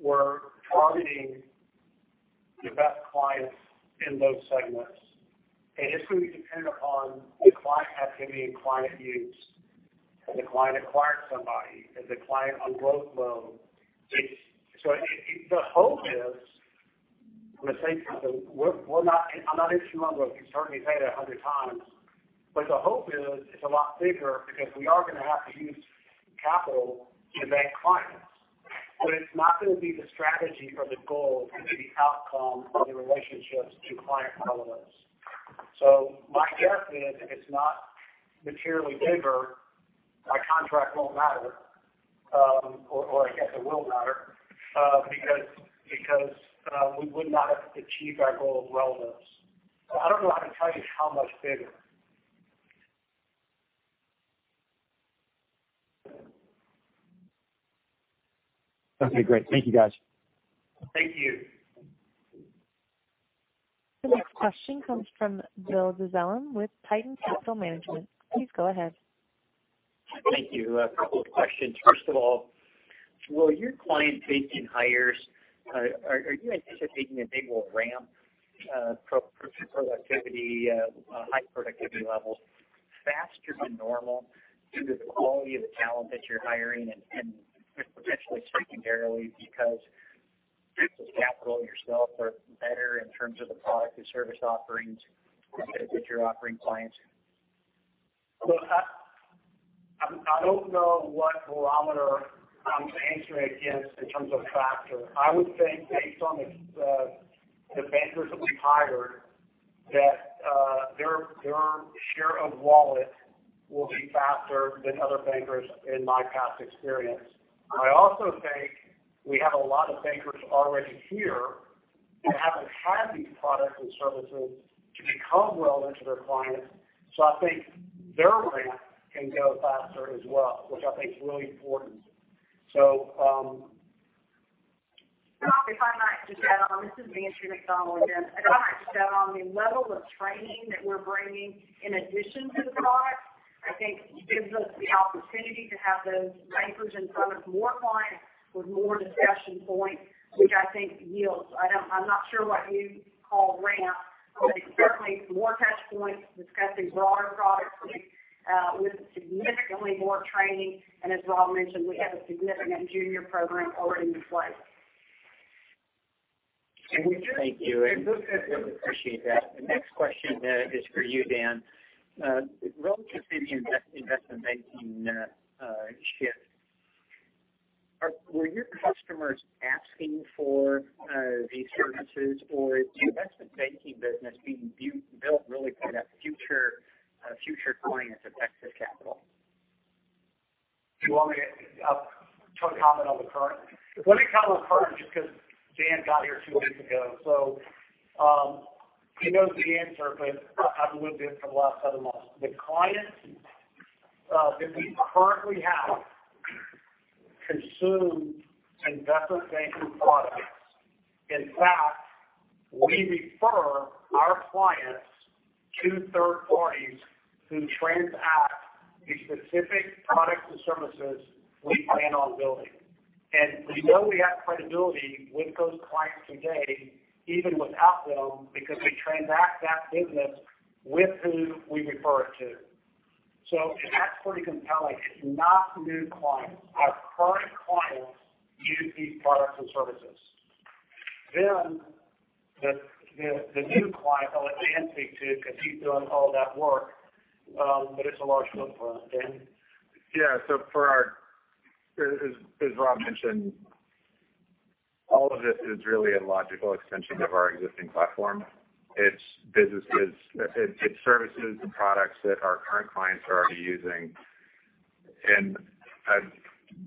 We're targeting the best clients in those segments. It's going to be dependent upon the client activity and client use. Has the client acquired somebody? Has the client on growth loan? I'm not issuing numbers. We've certainly said it 100 times. The hope is it's a lot bigger because we are going to have to use capital to bank clients. It's not going to be the strategy or the goal. It's going to be the outcome of the relationships to client relevance. My guess is if it's not materially bigger, by contract won't matter. I guess it will matter because we would not have achieved our goal of relevance. I don't know how to tell you how much bigger. Okay, great. Thank you, guys. Thank you. The next question comes from Bill Dezellem with Tieton Capital Management. Please go ahead. Thank you. A couple of questions. First of all, are you anticipating a big ramp, high productivity levels faster than normal due to the quality of the talent that you're hiring? Potentially secondarily because Texas Capital yourself are better in terms of the product and service offerings that you're offering clients? I don't know what barometer I'm answering against in terms of faster. I would think based on the bankers that we've hired, that their share of wallet will be faster than other bankers in my past experience. I also think we have a lot of bankers already here that haven't had these products and services to become relevant to their clients. I think their ramp can go faster as well, which I think is really important. Rob, if I might just add on. This is Nancy McDonnell again. If I might just add on, the level of training that we're bringing in addition to the product, I think gives us the opportunity to have those bankers in front of more clients with more discussion points, which I think yields. I'm not sure what you call ramp, but it's certainly more touch points discussing broader product suite with significantly more training. As Rob mentioned, we have a significant junior program already in place. Thank you. It looks good. Appreciate that. The next question is for you, Dan. Relative to the investment banking shift, were your customers asking for these services or is the investment banking business being built really for that future clients of Texas Capital? Do you want me to comment on the current? Let me comment on current just because Dan got here two weeks ago. He knows the answer, but I've lived it for the last seven months. The clients that we currently have consume investment banking products. In fact, we refer our clients to third parties who transact the specific products and services we plan on building. We know we have credibility with those clients today, even without them, because they transact that business with who we refer it to. That's pretty compelling. It's not new clients. Our current clients use these products and services. The new client will be antsy to compete on all that work. It's a large footprint. Dan? Yeah. As Rob mentioned, all of this is really a logical extension of our existing platform. It services the products that our current clients are already using. In a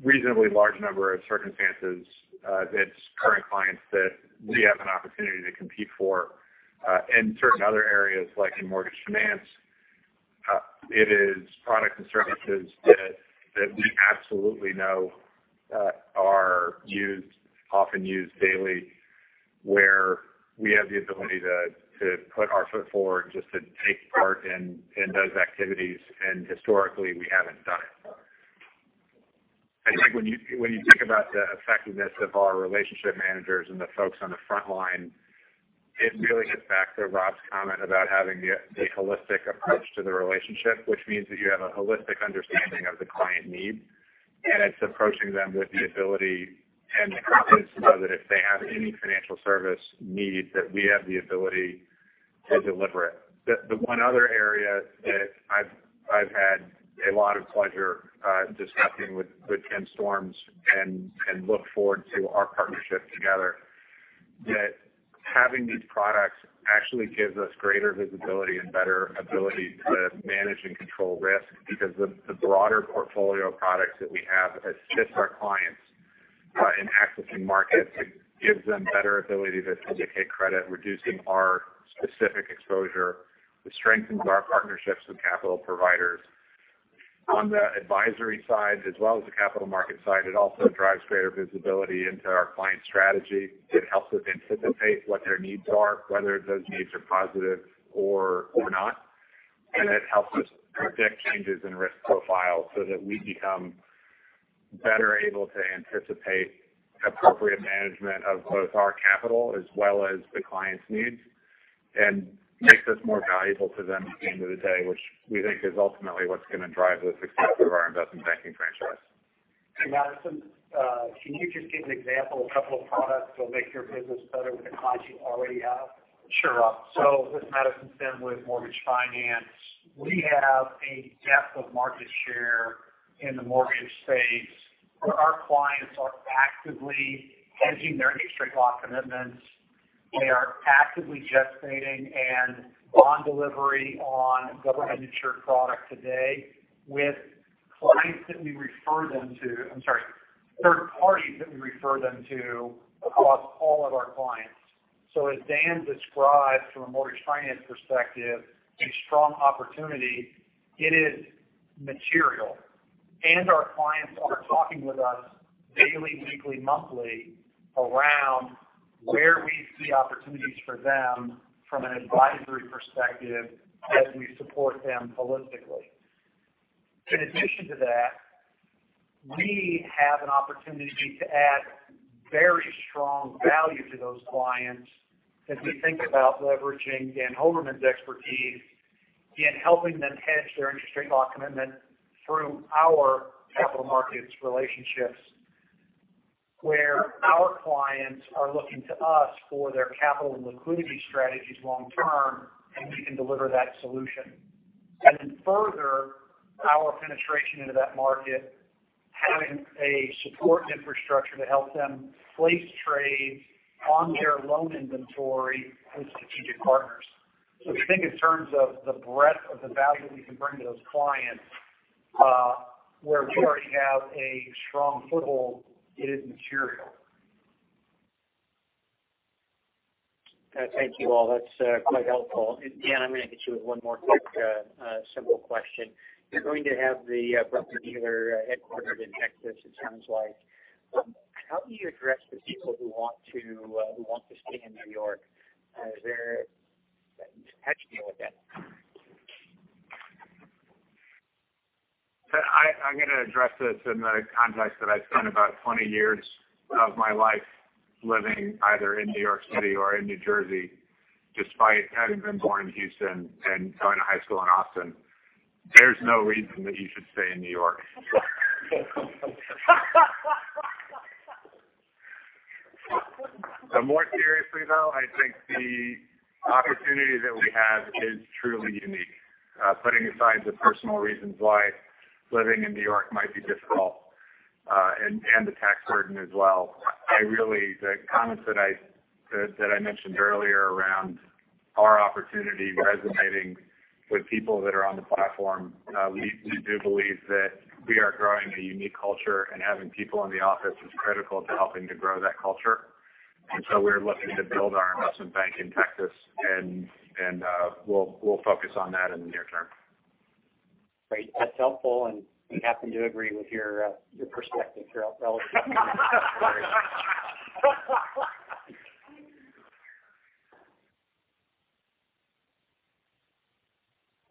reasonably large number of circumstances, it's current clients that we have an opportunity to compete for. In certain other areas, like in mortgage finance, it is products and services that we absolutely know are often used daily, where we have the ability to put our foot forward just to take part in those activities. Historically, we haven't done it. I think when you think about the effectiveness of our relationship managers and the folks on the front line, it really gets back to Rob's comment about having the holistic approach to the relationship, which means that you have a holistic understanding of the client need, and it's approaching them with the ability and the confidence to know that if they have any financial service needs, that we have the ability to deliver it. The one other area that I've had a lot of pleasure discussing with Tim Storms and look forward to our partnership together, that having these products actually gives us greater visibility and better ability to manage and control risk because the broader portfolio of products that we have assists our clients in accessing markets. It gives them better ability to syndicate credit, reducing our specific exposure. It strengthens our partnerships with capital providers. On the advisory side as well as the capital market side, it also drives greater visibility into our client strategy. It helps us anticipate what their needs are, whether those needs are positive or not. It helps us predict changes in risk profile so that we become better able to anticipate appropriate management of both our capital as well as the client's needs and makes us more valuable to them at the end of the day, which we think is ultimately what's going to drive the success of our investment banking franchise. Madison, can you just give an example of a couple of products that will make your business better with the clients you already have? Sure, Rob. This is Madison Simm with Mortgage Finance. We have a depth of market share in the mortgage space where our clients are actively hedging their interest rate lock commitments. They are actively gestating and bond delivery on government-insured product today with clients that we refer them to. I'm sorry, third parties that we refer them to across all of our clients. As Dan described from a mortgage finance perspective, a strong opportunity, it is material. Our clients are talking with us daily, weekly, monthly around where we see opportunities for them from an advisory perspective as we support them holistically. In addition to that, we have an opportunity to add very strong value to those clients as we think about leveraging Dan Hoverman's expertise in helping them hedge their interest rate lock commitment through our capital markets relationships. Where our clients are looking to us for their capital and liquidity strategies long term, and we can deliver that solution. Further our penetration into that market, having a support infrastructure to help them place trades on their loan inventory with strategic partners. If you think in terms of the breadth of the value we can bring to those clients, where we already have a strong foothold, it is material. Thank you all. That's quite helpful. Dan, I'm going to hit you with one more quick, simple question. You're going to have the broker-dealer headquartered in Texas, it sounds like. How do you address the people who want to stay in New York? How'd you deal with that? I'm going to address this in the context that I spent about 20 years of my life living either in New York City or in New Jersey, despite having been born in Houston and going to high school in Austin. There's no reason that you should stay in New York. More seriously, though, I think the opportunity that we have is truly unique. Putting aside the personal reasons why living in New York might be difficult, and the tax burden as well. The comments that I mentioned earlier around our opportunity resonating with people that are on the platform. We do believe that we are growing a unique culture and having people in the office is critical to helping to grow that culture. We're looking to build our investment bank in Texas, and we'll focus on that in the near term. Great. That's helpful, and we happen to agree with your perspective here relatively.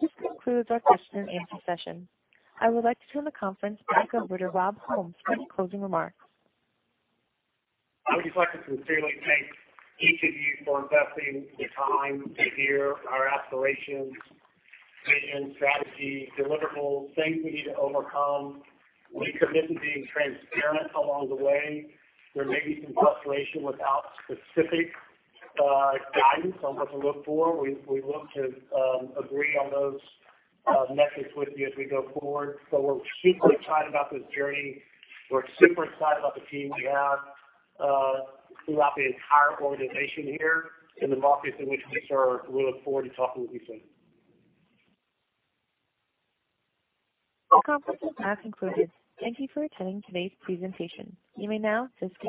This concludes our question and answer session. I would like to turn the conference back over to Rob Holmes for any closing remarks. I would just like to sincerely thank each of you for investing the time to hear our aspirations and strategy, deliverables, things we need to overcome. We commit to being transparent along the way. There may be some frustration without specific guidance on what to look for. We look to agree on those metrics with you as we go forward. We're super excited about this journey. We're super excited about the team we have throughout the entire organization here in the markets in which we serve. We look forward to talking with you soon. This conference has now concluded. Thank you for attending today's presentation. You may now disconnect.